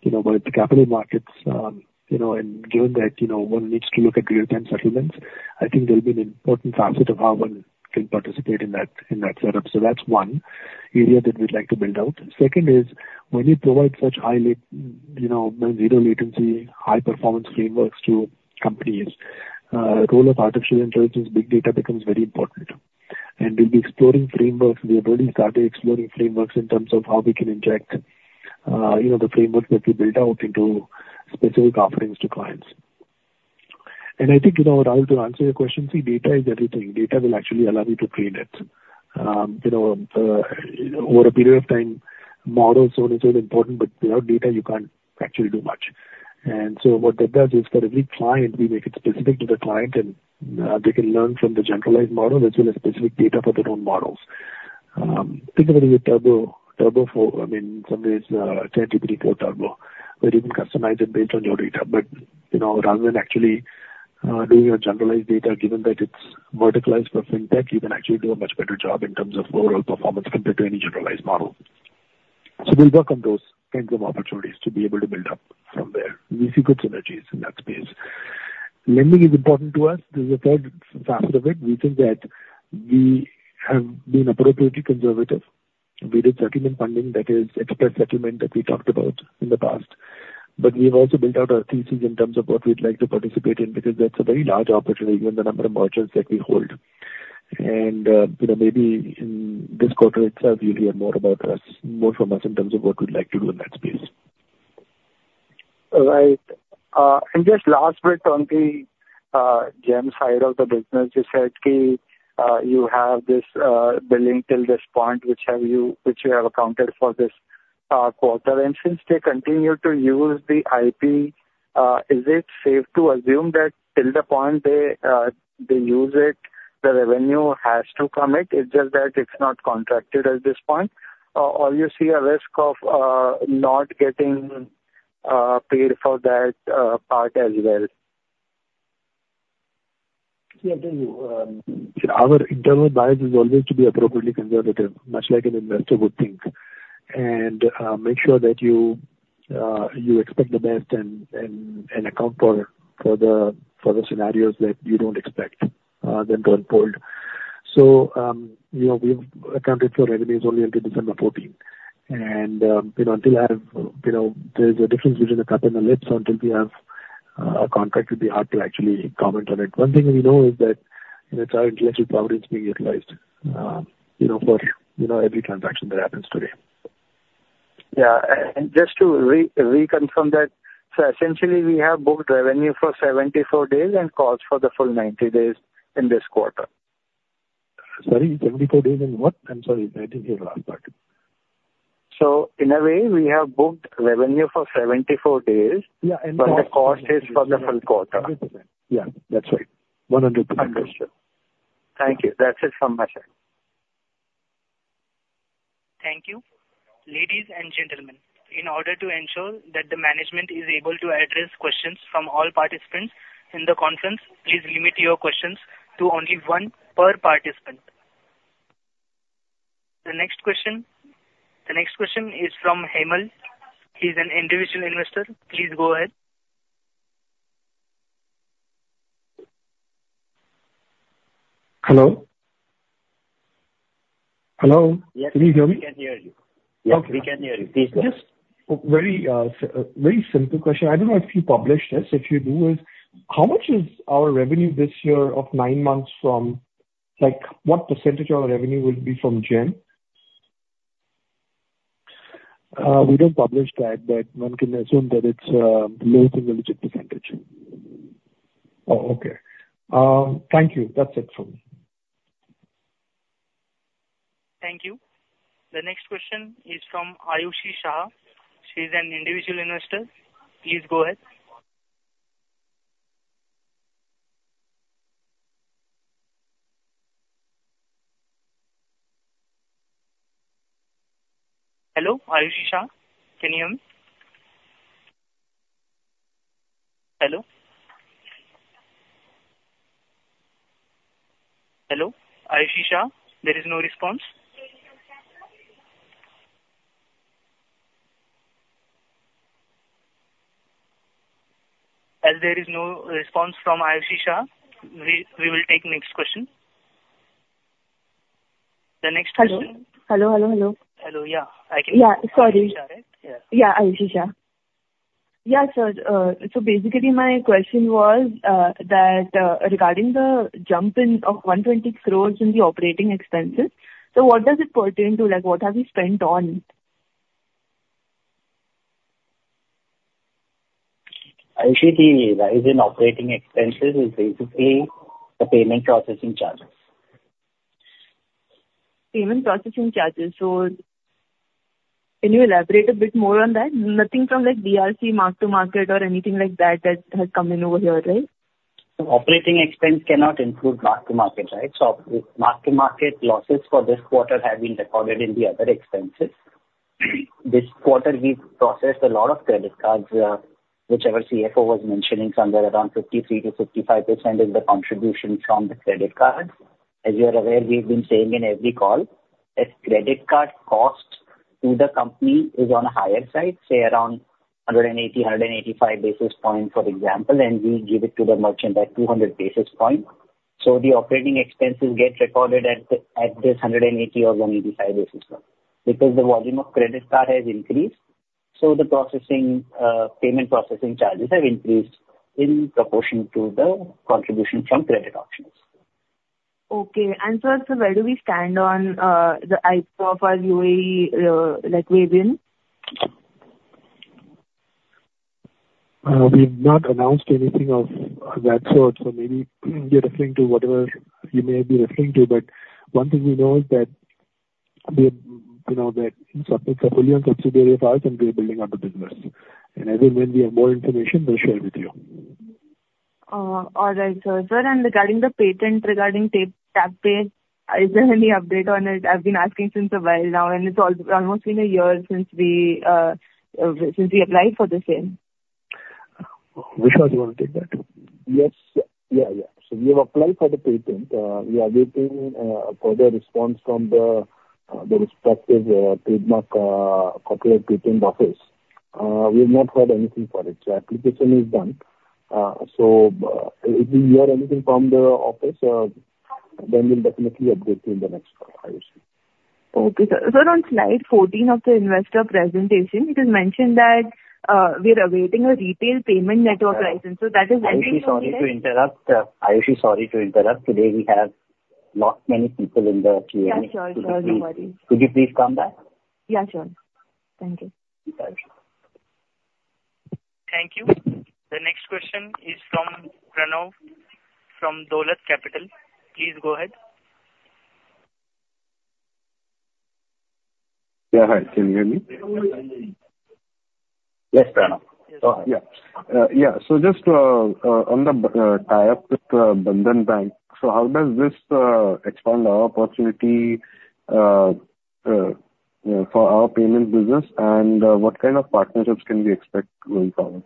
you know, with the capital markets, you know, and given that, you know, one needs to look at real-time settlements, I think there'll be an important facet of how one can participate in that, in that setup. So that's one area that we'd like to build out. Second is, when you provide such high lit- you know, zero-latency, high-performance frameworks to companies, role of artificial intelligence, big data becomes very important. And we'll be exploring frameworks. We have already started exploring frameworks in terms of how we can inject, you know, the frameworks that we build out into specific offerings to clients. And I think, you know, Rahul, to answer your question, see, data is everything. Data will actually allow you to create it. You know, over a period of time, models are also important, but without data, you can't actually do much. And so what that does is for every client, we make it specific to the client, and they can learn from the generalized model as well as specific data for their own models. Particularly with Turbo, Turbo for, I mean, some days, ChatGPT-4 Turbo, where you can customize it based on your data. But, you know, rather than actually doing a generalized data, given that it's verticalized for fintech, you can actually do a much better job in terms of overall performance compared to any generalized model. So we'll work on those kinds of opportunities to be able to build up from there. We see good synergies in that space. Lending is important to us. This is the third facet of it. We think that we have been appropriately conservative. We did settlement funding, that is express settlement that we talked about in the past, but we've also built out our thesis in terms of what we'd like to participate in, because that's a very large opportunity, given the number of merchants that we hold. And, you know, maybe in this quarter itself, you'll hear more about us, more from us in terms of what we'd like to do in that space. Right. And just last bit on the GeM side of the business, you said you have this billing till this point, which you have accounted for this quarter. And since they continue to use the IP, is it safe to assume that till the point they use it, the revenue has to come in? It's just that it's not contracted at this point, or you see a risk of not getting paid for that part as well? Yeah, thank you. Our internal bias is always to be appropriately conservative, much like an investor would think. And make sure that you expect the best and account for the scenarios that you don't expect them to unfold. So, you know, we've accounted for revenues only until December 14. And you know, until I have, you know, there's a difference between a cut and a lift, so until we have a contract, it'd be hard to actually comment on it. One thing we know is that, you know, our intellectual property is being utilized, you know, for every transaction that happens today. Yeah. And just to reconfirm that, so essentially, we have booked revenue for 74 days and cost for the full 90 days in this quarter? Sorry, 74 days in what? I'm sorry, I didn't hear the last part. In a way, we have booked revenue for 74 days- Yeah, and- But the cost is for the full quarter. 100%. Yeah, that's right. 100%. Understood. Thank you. That's it from my side. Thank you. Ladies and gentlemen, in order to ensure that the management is able to address questions from all participants in the conference, please limit your questions to only one per participant. The next question, the next question is from Hemal. He's an individual investor. Please go ahead. Hello? Hello. Yes. Can you hear me? We can hear you. Okay. Yes, we can hear you. Please go ahead. Just a very, very simple question. I don't know if you publish this. If you do, how much is our revenue this year of nine months? What percentage of our revenue will be from GeM? We don't publish that, but one can assume that it's less than a legitimate percentage. Okay. Thank you. That's it from me. Thank you. The next question is from Ayushi Shah. She's an individual investor. Please go ahead. Hello, Ayushi Shah, can you hear me? Hello? Hello, Ayushi Shah, there is no response. As there is no response from Ayushi Shah, we will take next question. The next question- Hello. Hello, hello, hello. Hello, yeah. Yeah, sorry. Ayushi Shah, right? Yeah. Yeah, Ayushi Shah. Yeah, sir, so basically my question was, regarding the jump in of 120 crore in the operating expenses, so what does it pertain to? Like, what have you spent on? Ayushi, the rise in operating expenses is basically the payment processing charges. Payment processing charges. So can you elaborate a bit more on that? Nothing from, like, DRC mark-to-market or anything like that, that has come in over here, right? Operating expense cannot include mark-to-market, right? So mark-to-market losses for this quarter have been recorded in the other expenses. This quarter, we've processed a lot of credit cards, whichever CFO was mentioning, somewhere around 53% to 55% is the contribution from the credit card. As you're aware, we've been saying in every call, that credit card cost to the company is on the higher side, say around 180, 185 basis points, for example, and we give it to the merchant at 200 basis point. So the operating expenses get recorded at, at this 180 or 185 basis point. Because the volume of credit card has increased, so the processing, payment processing charges have increased in proportion to the contribution from credit options. Okay. And so, sir, where do we stand on the IPO of our UAE, like, venture? We've not announced anything of that sort, so maybe you're referring to whatever you may be referring to, but one thing we know is that we, you know, that in certain subsidiary of ours, and we're building up the business. And as and when we have more information, we'll share with you. All right, sir. Sir, and regarding the patent regarding TapPay, is there any update on it? I've been asking since a while now, and it's almost been a year since we applied for the same. Vishwas, do you want to take that? Yes. Yeah. So we have applied for the patent. We are waiting for the response from the respective trademark corporate patent office. We've not heard anything for it, so application is done. So, if we hear anything from the office, then we'll definitely update you in the next call, Ayushi. Okay, sir. Sir, on slide 14 of the investor presentation, it is mentioned that we are awaiting a retail payment network license. So that is- Ayushi, sorry to interrupt. Ayushi, sorry to interrupt, today we have many people in the queue. Yeah, sure, sir. Don't worry. Could you please come back? Yeah, sure. Thank you. Thank you. Thank you. The next question is from Pranav, from Dolat Capital. Please go ahead. Yeah, hi, can you hear me? Yes, Pranav. Oh, yeah. Yeah, so just on the tie-up with Bandhan Bank, so how does this expand our opportunity, you know, for our payment business, and what kind of partnerships can we expect going forward?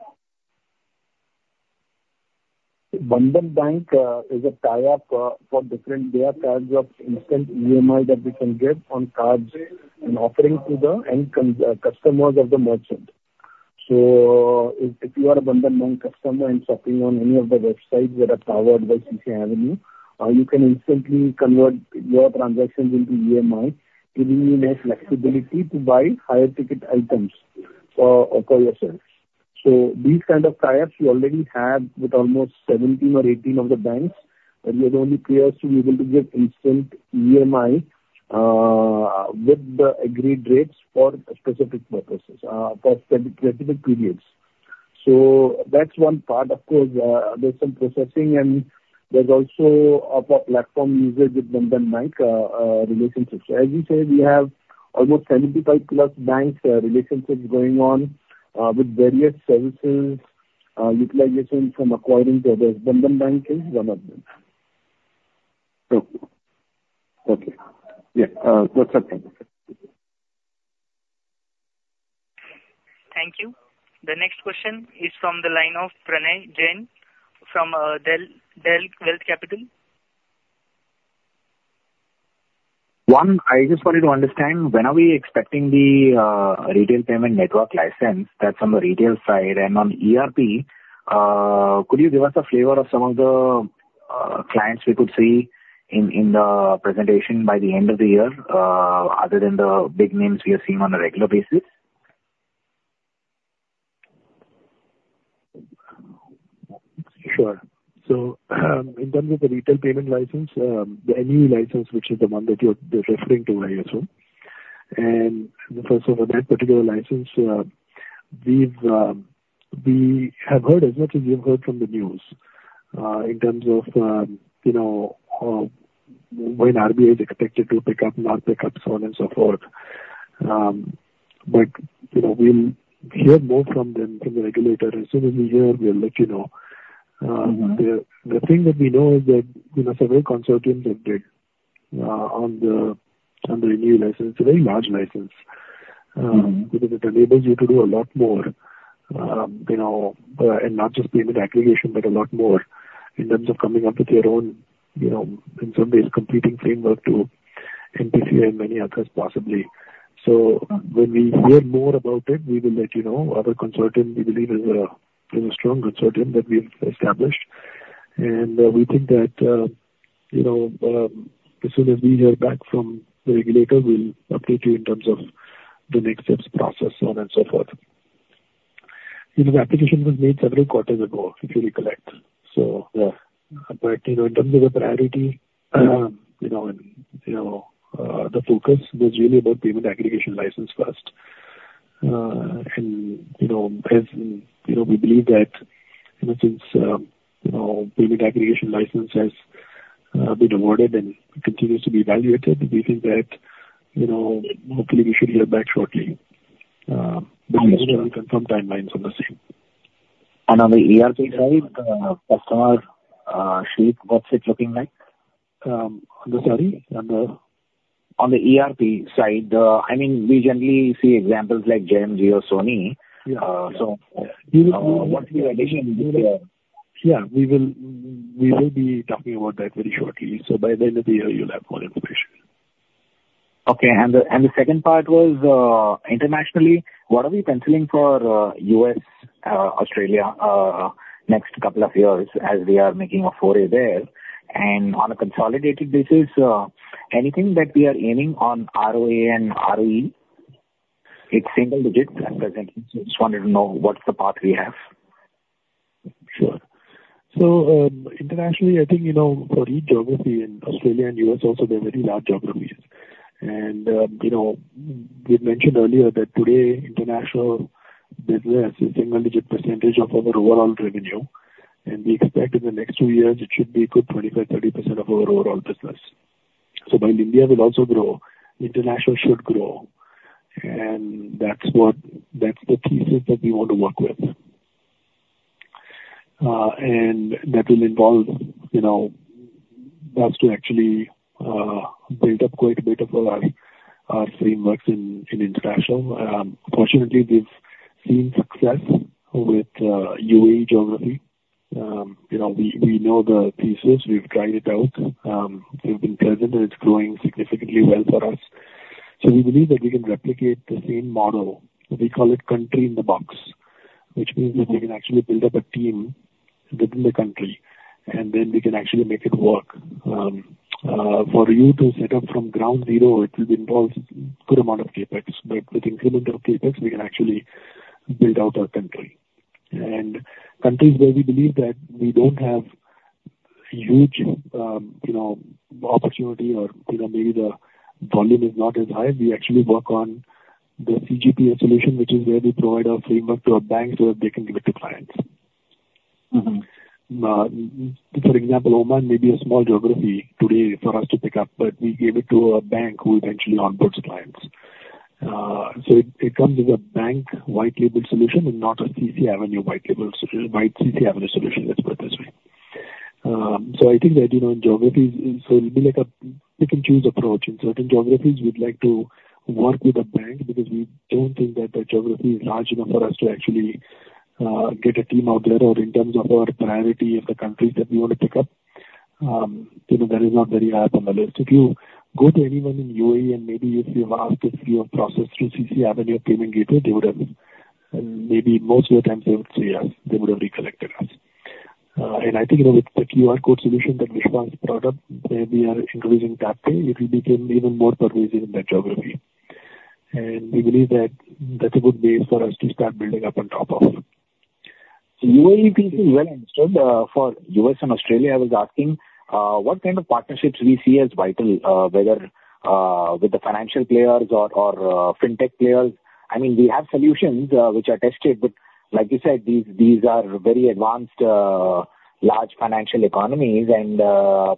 Bandhan Bank is a tie-up for different. They are in charge of instant EMI that we can get on cards and offering to the end consumer customers of the merchant. So if you are a Bandhan Bank customer and shopping on any of the websites that are powered by CCAvenue, you can instantly convert your transactions into EMI, giving you more flexibility to buy higher ticket items for yourself. So these kind of tie-ups we already have with almost 17 or 18 of the banks, and we are going to be able to give instant EMI with the agreed rates for specific purposes for specific periods. So that's one part. Of course, there's some processing and there's also of our platform usage with Bandhan Bank relationships. As we said, we have almost 75+ bank relationships going on with various services utilization from acquiring to other. Bandhan Bank is one of them. Okay. Yeah, [whatsoever]. Thank you. The next question is from the line of Pranay Jain from DealWealth Capital. One, I just wanted to understand, when are we expecting the retail payment network license? That's on the retail side, and on the ERP, could you give us a flavor of some of the clients we could see in the presentation by the end of the year, other than the big names we are seeing on a regular basis? Sure. So, in terms of the retail payment license, the NUE license, which is the one that you're referring to, Pranay, first of all, that particular license, we've heard as much as you've heard from the news, in terms of, you know, when RBI is expected to pick up, not pick up, so on and so forth. But, you know, we'll hear more from them, from the regulator. As soon as we hear, we'll let you know. The thing that we know is that, you know, several consortiums have bid on the new license. It's a very large license. Because it enables you to do a lot more, you know, and not just payment aggregation, but a lot more in terms of coming up with your own, you know, in some ways, competing framework to NPCI and many others, possibly. So when we hear more about it, we will let you know. Our consortium, we believe, is a strong consortium that we've established, and we think that, you know, as soon as we hear back from the regulator, we'll update you in terms of the next steps, process, so on and so forth. You know, the application was made several quarters ago, if you recollect. So But, you know, in terms of the priority, you know, the focus was really about Payment Aggregator License first. You know, as you know, we believe that, you know, since, you know, Payment Aggregator License has been awarded and continues to be evaluated, we think that, you know, hopefully we should hear back shortly. But we will confirm timelines on the same. On the ERP side, customer sheet, what's it looking like? On the sorry? On the... On the ERP side, I mean, we generally see examples like J&J or Sony. Yeah. So, what's the addition? Yeah, we will, we will be talking about that very shortly. So by the end of the year, you'll have more information. Okay. And the second part was internationally, what are we penciling for US, Australia, next couple of years as we are making a foray there? And on a consolidated basis, anything that we are aiming on ROA and ROE? It's single digits at present. Just wanted to know what's the path we have. Sure. So, internationally, I think, you know, for each geography in Australia and U.S. also, they're very large geographies. And, you know, we mentioned earlier that today, international business is a single-digit percentage of our overall revenue, and we expect in the next two years it should be a good 25% to 30% of our overall business. So while India will also grow, international should grow, and that's the [thesis] that we want to work with. And that will involve, you know, us to actually build up quite a bit of our, our frameworks in, in international. Fortunately, we've seen success with UAE geography. You know, we know the pieces. We've tried it out. We've been present, and it's growing significantly well for us. So we believe that we can replicate the same model. We call it Country in the Box, which means that we can actually build up a team within the country, and then we can actually make it work. For you to set up from ground zero, it will involve good amount of CapEx. But with incremental CapEx, we can actually build out our country. And countries where we believe that we don't have huge, you know, opportunity or, you know, maybe the volume is not as high, we actually work on the CGP solution, which is where we provide our framework to a bank, so that they can give it to clients. For example, Oman may be a small geography today for us to pick up, but we gave it to a bank who eventually onboards clients. So it, it comes as a bank white label solution and not a CCAvenue white label solution, white CCAvenue solution, let's put it this way. So I think that, you know, in geographies, so it'll be like a pick and choose approach. In certain geographies, we'd like to work with a bank because we don't think that the geography is large enough for us to actually get a team out there, or in terms of our priority of the countries that we want to pick up, you know, that is not very high up on the list. If you go to anyone in UAE, and maybe if you have asked if you have processed through CCAvenue payment gateway, they would have, maybe most of the times they would say, "Yes," they would have recollected us. And I think, you know, with the QR code solution that Vishwas has brought up, where we are increasing TapPay, it will become even more pervasive in that geography. And we believe that that's a good base for us to start building up on top of. So UAE is well installed. For U.S. and Australia, I was asking what kind of partnerships we see as vital, whether with the financial players or fintech players. I mean, we have solutions which are tested, but like you said, these are very advanced large financial economies, and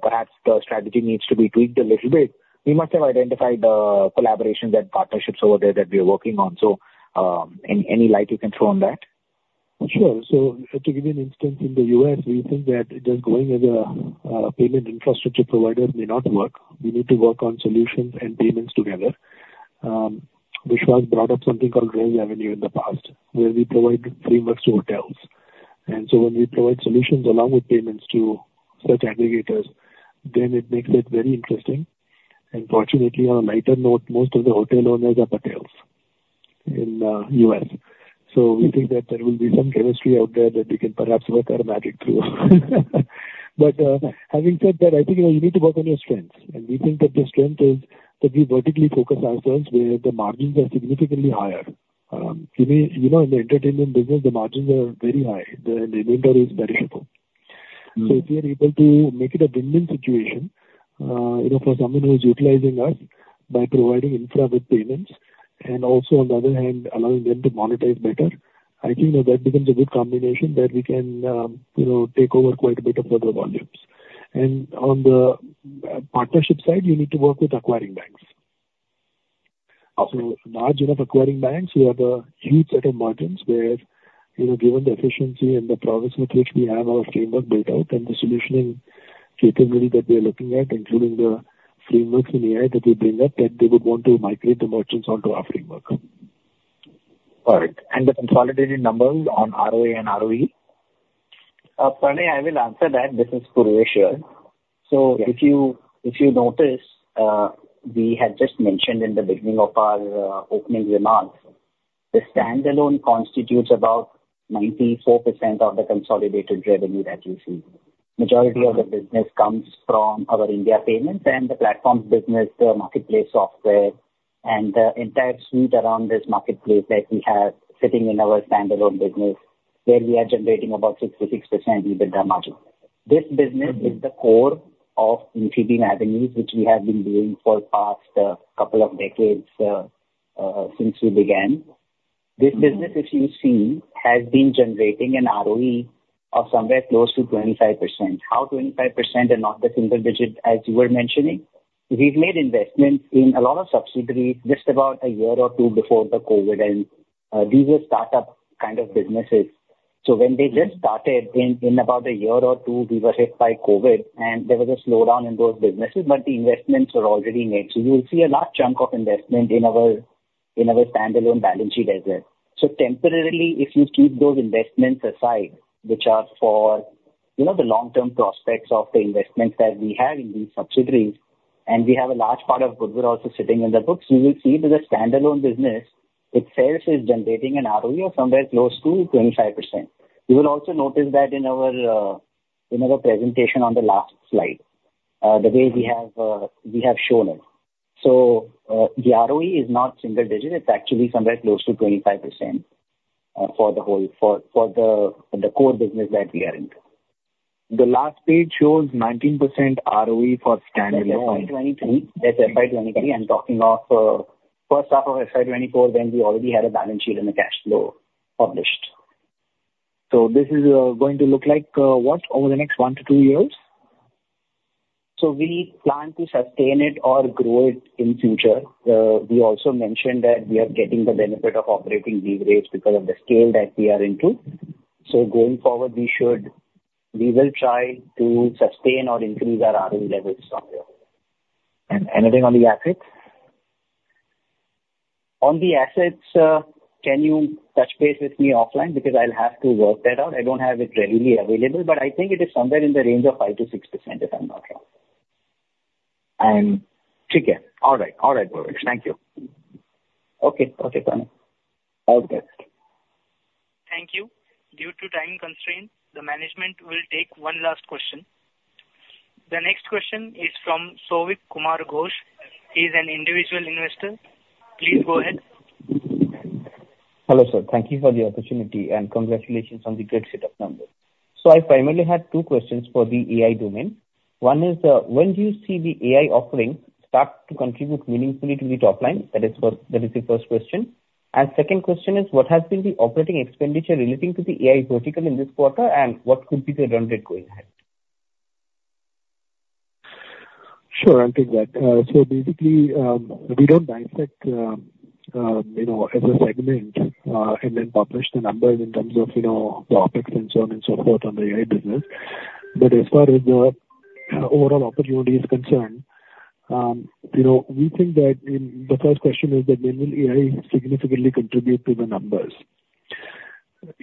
perhaps the strategy needs to be tweaked a little bit. We must have identified collaborations and partnerships over there that we are working on. So, any light you can throw on that? Sure. So to give you an instance, in the US, we think that just going as a payment infrastructure provider may not work. We need to work on solutions and payments together. Vishal has brought up something called ResAvenue in the past, where we provide frameworks to hotels. And so when we provide solutions along with payments to such aggregators, then it makes it very interesting. And fortunately, on a lighter note, most of the hotel owners are Patels in US. So we think that there will be some chemistry out there that we can perhaps work our magic through. But, having said that, I think, you know, you need to work on your strengths, and we think that the strength is that we vertically focus ourselves where the margins are significantly higher. You mean, you know, in the entertainment business, the margins are very high, the inventory is perishable. So if we are able to make it a win-win situation, you know, for someone who is utilizing us by providing infra with payments, and also, on the other hand, allowing them to monetize better, I think that that becomes a good combination that we can, you know, take over quite a bit of further volumes. And on the partnership side, you need to work with acquiring banks. Also, large enough acquiring banks who have a huge set of margins, where, you know, given the efficiency and the prowess with which we have our framework built out and the solutioning capability that we are looking at, including the frameworks in AI that we bring up, that they would want to migrate the merchants onto our framework. All right. And the consolidated numbers on ROA and ROE? Pranay, I will answer that. This is Purvesh here. So if you, if you notice, we had just mentioned in the beginning of our opening remarks, the standalone constitutes about 94% of the consolidated revenue that you see. Majority of the business comes from our India payments and the platforms business, the marketplace software, and the entire suite around this marketplace that we have sitting in our standalone business, where we are generating about 66% EBITDA margin. This business is the core of Infibeam Avenues, which we have been doing for the past couple of decades since we began. This business, if you see, has been generating an ROE of somewhere close to 25%. How 25% and not the single digit, as you were mentioning? We've made investments in a lot of subsidiaries just about a year or two before the COVID, and these are startup kind of businesses. So when they just started in about a year or two, we were hit by COVID, and there was a slowdown in those businesses, but the investments were already made. So you will see a large chunk of investment in our standalone balance sheet as well. So temporarily, if you keep those investments aside, which are for, you know, the long-term prospects of the investments that we have in these subsidiaries, and we have a large part of goodwill also sitting in the books, you will see that the standalone business itself is generating an ROE of somewhere close to 25%. You will also notice that in our presentation on the last slide, the way we have shown it. So, the ROE is not single digit. It's actually somewhere close to 25%, for the whole for the core business that we are into. The last page shows 19% ROE for standalone. That's FY 2023. 'm talking of, H1 of FY 2024, when we already had a balance sheet and a cash flow published. This is going to look like what over the next one to two years? We plan to sustain it or grow it in future. We also mentioned that we are getting the benefit of operating leverage because of the scale that we are into. Going forward, we will try to sustain or increase our ROE levels somewhere. Anything on the assets? On the assets, can you touch base with me offline? Because I'll have to work that out. I don't have it readily available, but I think it is somewhere in the range of 5% to 6%, if I'm not wrong. Okay. All right. Purvesh. Thank you. Okay, Pranay. All the best. Thank you. Due to time constraint, the management will take one last question. The next question is from Souvik Kumar Ghosh. He's an individual investor. Please go ahead. Hello, sir. Thank you for the opportunity, and congratulations on the great set of numbers. So I primarily had two questions for the AI domain. One is, when do you see the AI offering start to contribute meaningfully to the top line? That is the first question. And second question is, what has been the operating expenditure relating to the AI vertical in this quarter, and what could be the run rate going ahead? Sure, I'll take that. So basically, we don't dissect, you know, as a segment, and then publish the numbers in terms of, you know, the OpEx and so on and so forth on the AI business. But as far as the overall opportunity is concerned, you know, we think that in the first question is that when will AI significantly contribute to the numbers?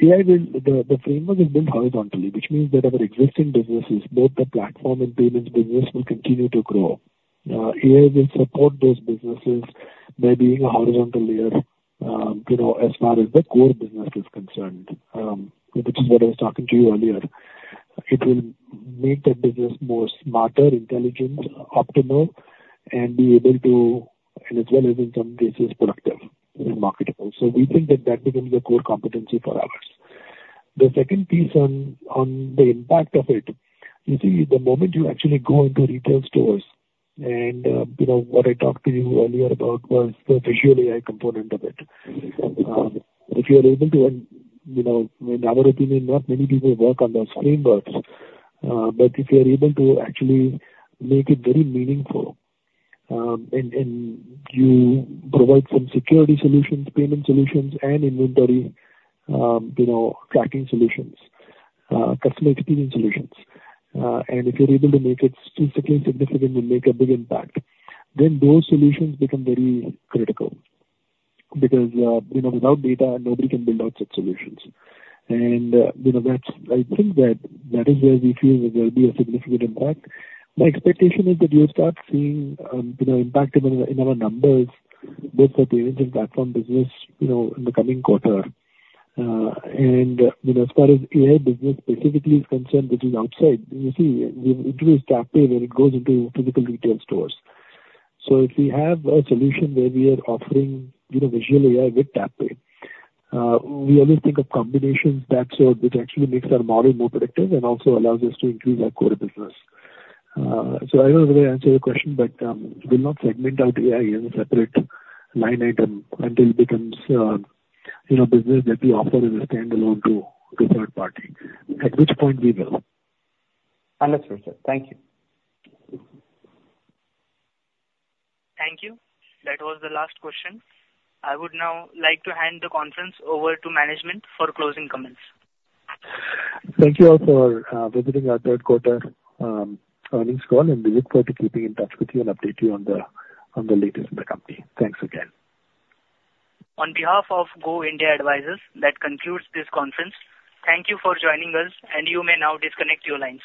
AI will, the framework is built horizontally, which means that our existing businesses, both the platform and payments business, will continue to grow. AI will support those businesses by being a horizontal layer, you know, as far as the core business is concerned, which is what I was talking to you earlier. It will make the business more smarter, intelligent, optimal, and be able to, and as well as in some cases, productive and marketable. So we think that that will be the core competency for us. The second piece on the impact of it, you see, the moment you actually go into retail stores, and you know, what I talked to you earlier about was the visual AI component of it. If you are able to, and you know, in our opinion, not many people work on those frameworks, but if you are able to actually make it very meaningful, and you provide some security solutions, payment solutions and inventory, you know, tracking solutions, customer experience solutions, and if you're able to make it statistically significant and make a big impact, then those solutions become very critical, because you know, without data, nobody can build out such solutions. You know, that's... I think that that is where we feel that there'll be a significant impact. My expectation is that you'll start seeing, you know, impact in our, in our numbers, both for payments and platform business, you know, in the coming quarter. And, you know, as far as AI business specifically is concerned, which is outside, you see, it is TapPay, where it goes into typical retail stores. So if we have a solution where we are offering, you know, visual AI with TapPay, we always think of combination packs which, which actually makes our model more predictive and also allows us to increase our core business. So I hope I answered your question, but we'll not segment out AI as a separate line item until it becomes, you know, business that we offer as a standalone to third party, at which point we will. Understood, sir. Thank you. Thank you. That was the last question. I would now like to hand the conference over to management for closing comments. Thank you all for visiting our Q3 Earnings Call, and we look forward to keeping in touch with you and update you on the latest in the company. Thanks again. On behalf of Go India Advisors, that concludes this conference. Thank you for joining us, and you may now disconnect your lines.